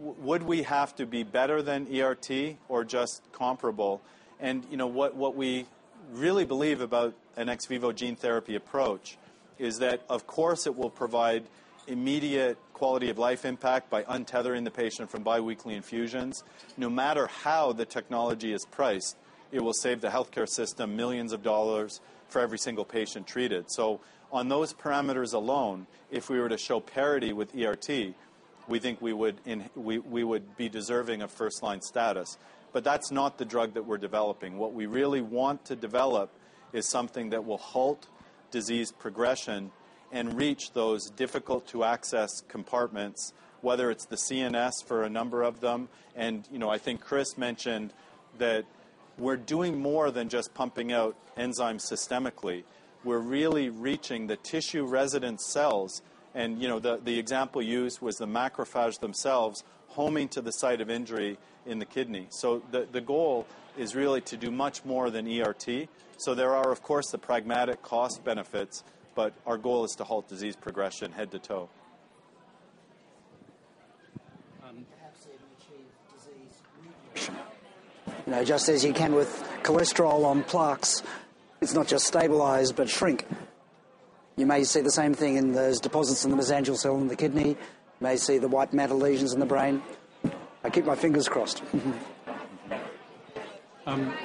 would we have to be better than ERT or just comparable? What we really believe about an ex vivo gene therapy approach is that, of course, it will provide immediate quality of life impact by untethering the patient from biweekly infusions. No matter how the technology is priced, it will save the healthcare system millions of dollars for every single patient treated. On those parameters alone, if we were to show parity with ERT, we think we would be deserving of first-line status. That's not the drug that we're developing. What we really want to develop is something that will halt disease progression and reach those difficult-to-access compartments, whether it's the CNS for a number of them. I think Chris mentioned that we're doing more than just pumping out enzymes systemically. We're really reaching the tissue-resident cells, the example used was the macrophage themselves homing to the site of injury in the kidney. The goal is really to do much more than ERT. There are, of course, the pragmatic cost benefits, our goal is to halt disease progression head to toe. Perhaps even achieve disease remission. Just as you can with cholesterol on plaques, it's not just stabilize but shrink. You may see the same thing in those deposits in the mesangial cell in the kidney. You may see the white metal lesions in the brain. I keep my fingers crossed.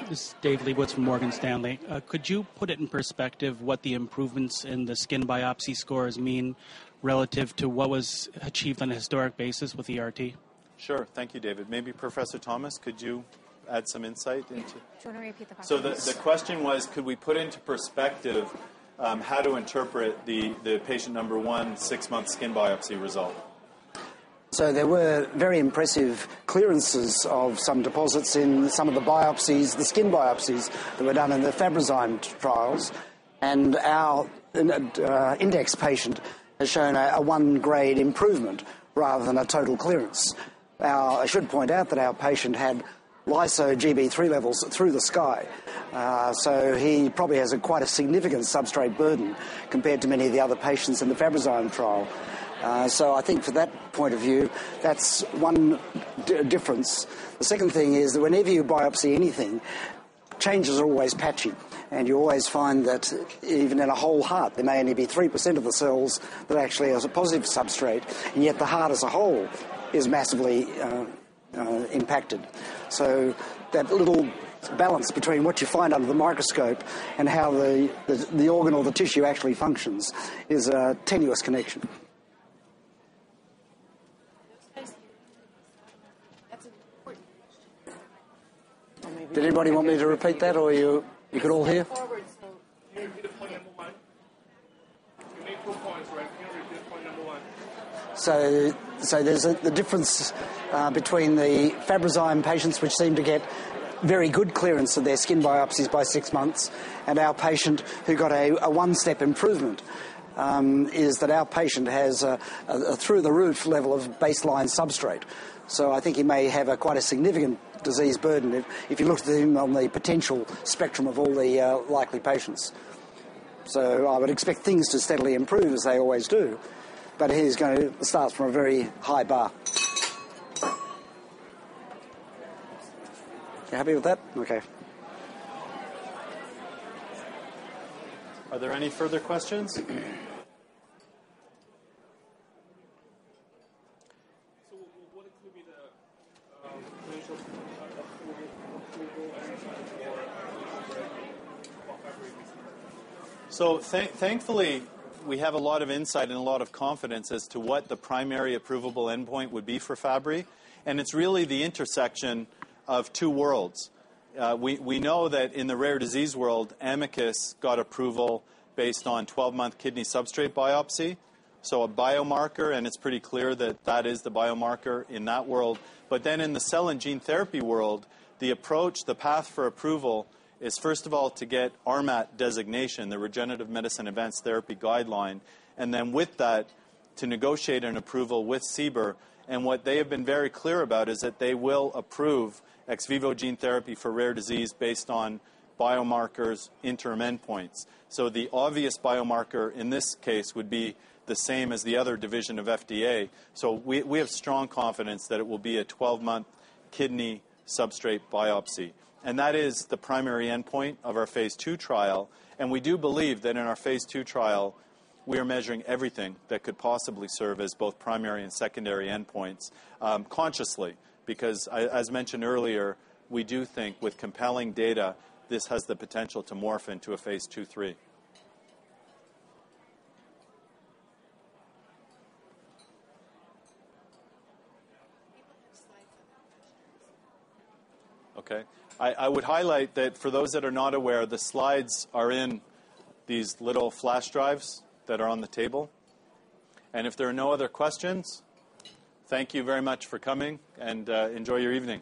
This is David Lebowitz from Morgan Stanley. Could you put it in perspective what the improvements in the skin biopsy scores mean relative to what was achieved on a historic basis with ERT? Sure. Thank you, David. Maybe Professor Mark Thomas, could you add some insight into. Do you want to repeat the question? The question was, could we put into perspective how to interpret the patient number one six month skin biopsy result? There were very impressive clearances of some deposits in some of the biopsies, the skin biopsies that were done in the Fabrazyme trials. Our index patient has shown a 1-grade improvement rather than a total clearance. I should point out that our patient had lyso-Gb3 levels through the sky. He probably has quite a significant substrate burden compared to many of the other patients in the Fabrazyme trial. I think from that point of view, that's one difference. The second thing is that whenever you biopsy anything, change is always patchy, and you always find that even in a whole heart, there may only be 3% of the cells that actually has a positive substrate, and yet the heart as a whole is massively impacted. That little balance between what you find under the microscope and how the organ or the tissue actually functions is a tenuous connection. That's an important question. Did anybody want me to repeat that or you could all hear? Step forward. Can you repeat the point number one? You made two points, Mark. Can you repeat point number one? The difference between the Fabrazyme patients, which seem to get very good clearance of their skin biopsies by six months, and our patient who got a one-step improvement, is that our patient has a through-the-roof level of baseline substrate. I think he may have quite a significant disease burden if you looked at him on the potential spectrum of all the likely patients. I would expect things to steadily improve, as they always do. He's going to start from a very high bar. You happy with that? Okay. Are there any further questions? What could be the potential approval endpoint for AVR-RD-01 for Fabry disease? Thankfully, we have a lot of insight and a lot of confidence as to what the primary approvable endpoint would be for Fabry, it's really the intersection of two worlds. We know that in the rare disease world, Amicus got approval based on 12 month kidney substrate biopsy, a biomarker, it's pretty clear that that is the biomarker in that world. In the cell and gene therapy world, the approach, the path for approval is first of all to get RMAT designation, the Regenerative Medicine Advanced Therapy, with that, to negotiate an approval with CBER. What they have been very clear about is that they will approve ex vivo gene therapy for rare disease based on biomarkers interim endpoints. The obvious biomarker in this case would be the same as the other division of FDA. We have strong confidence that it will be a 12 month kidney substrate biopsy. That is the primary endpoint of our phase II trial, and we do believe that in our phase II trial, we are measuring everything that could possibly serve as both primary and secondary endpoints consciously. As mentioned earlier, we do think with compelling data, this has the potential to morph into a phase II/III. You want the next slide to come up, Chris? Okay. I would highlight that for those that are not aware, the slides are in these little flash drives that are on the table. If there are no other questions, thank you very much for coming, and enjoy your evening.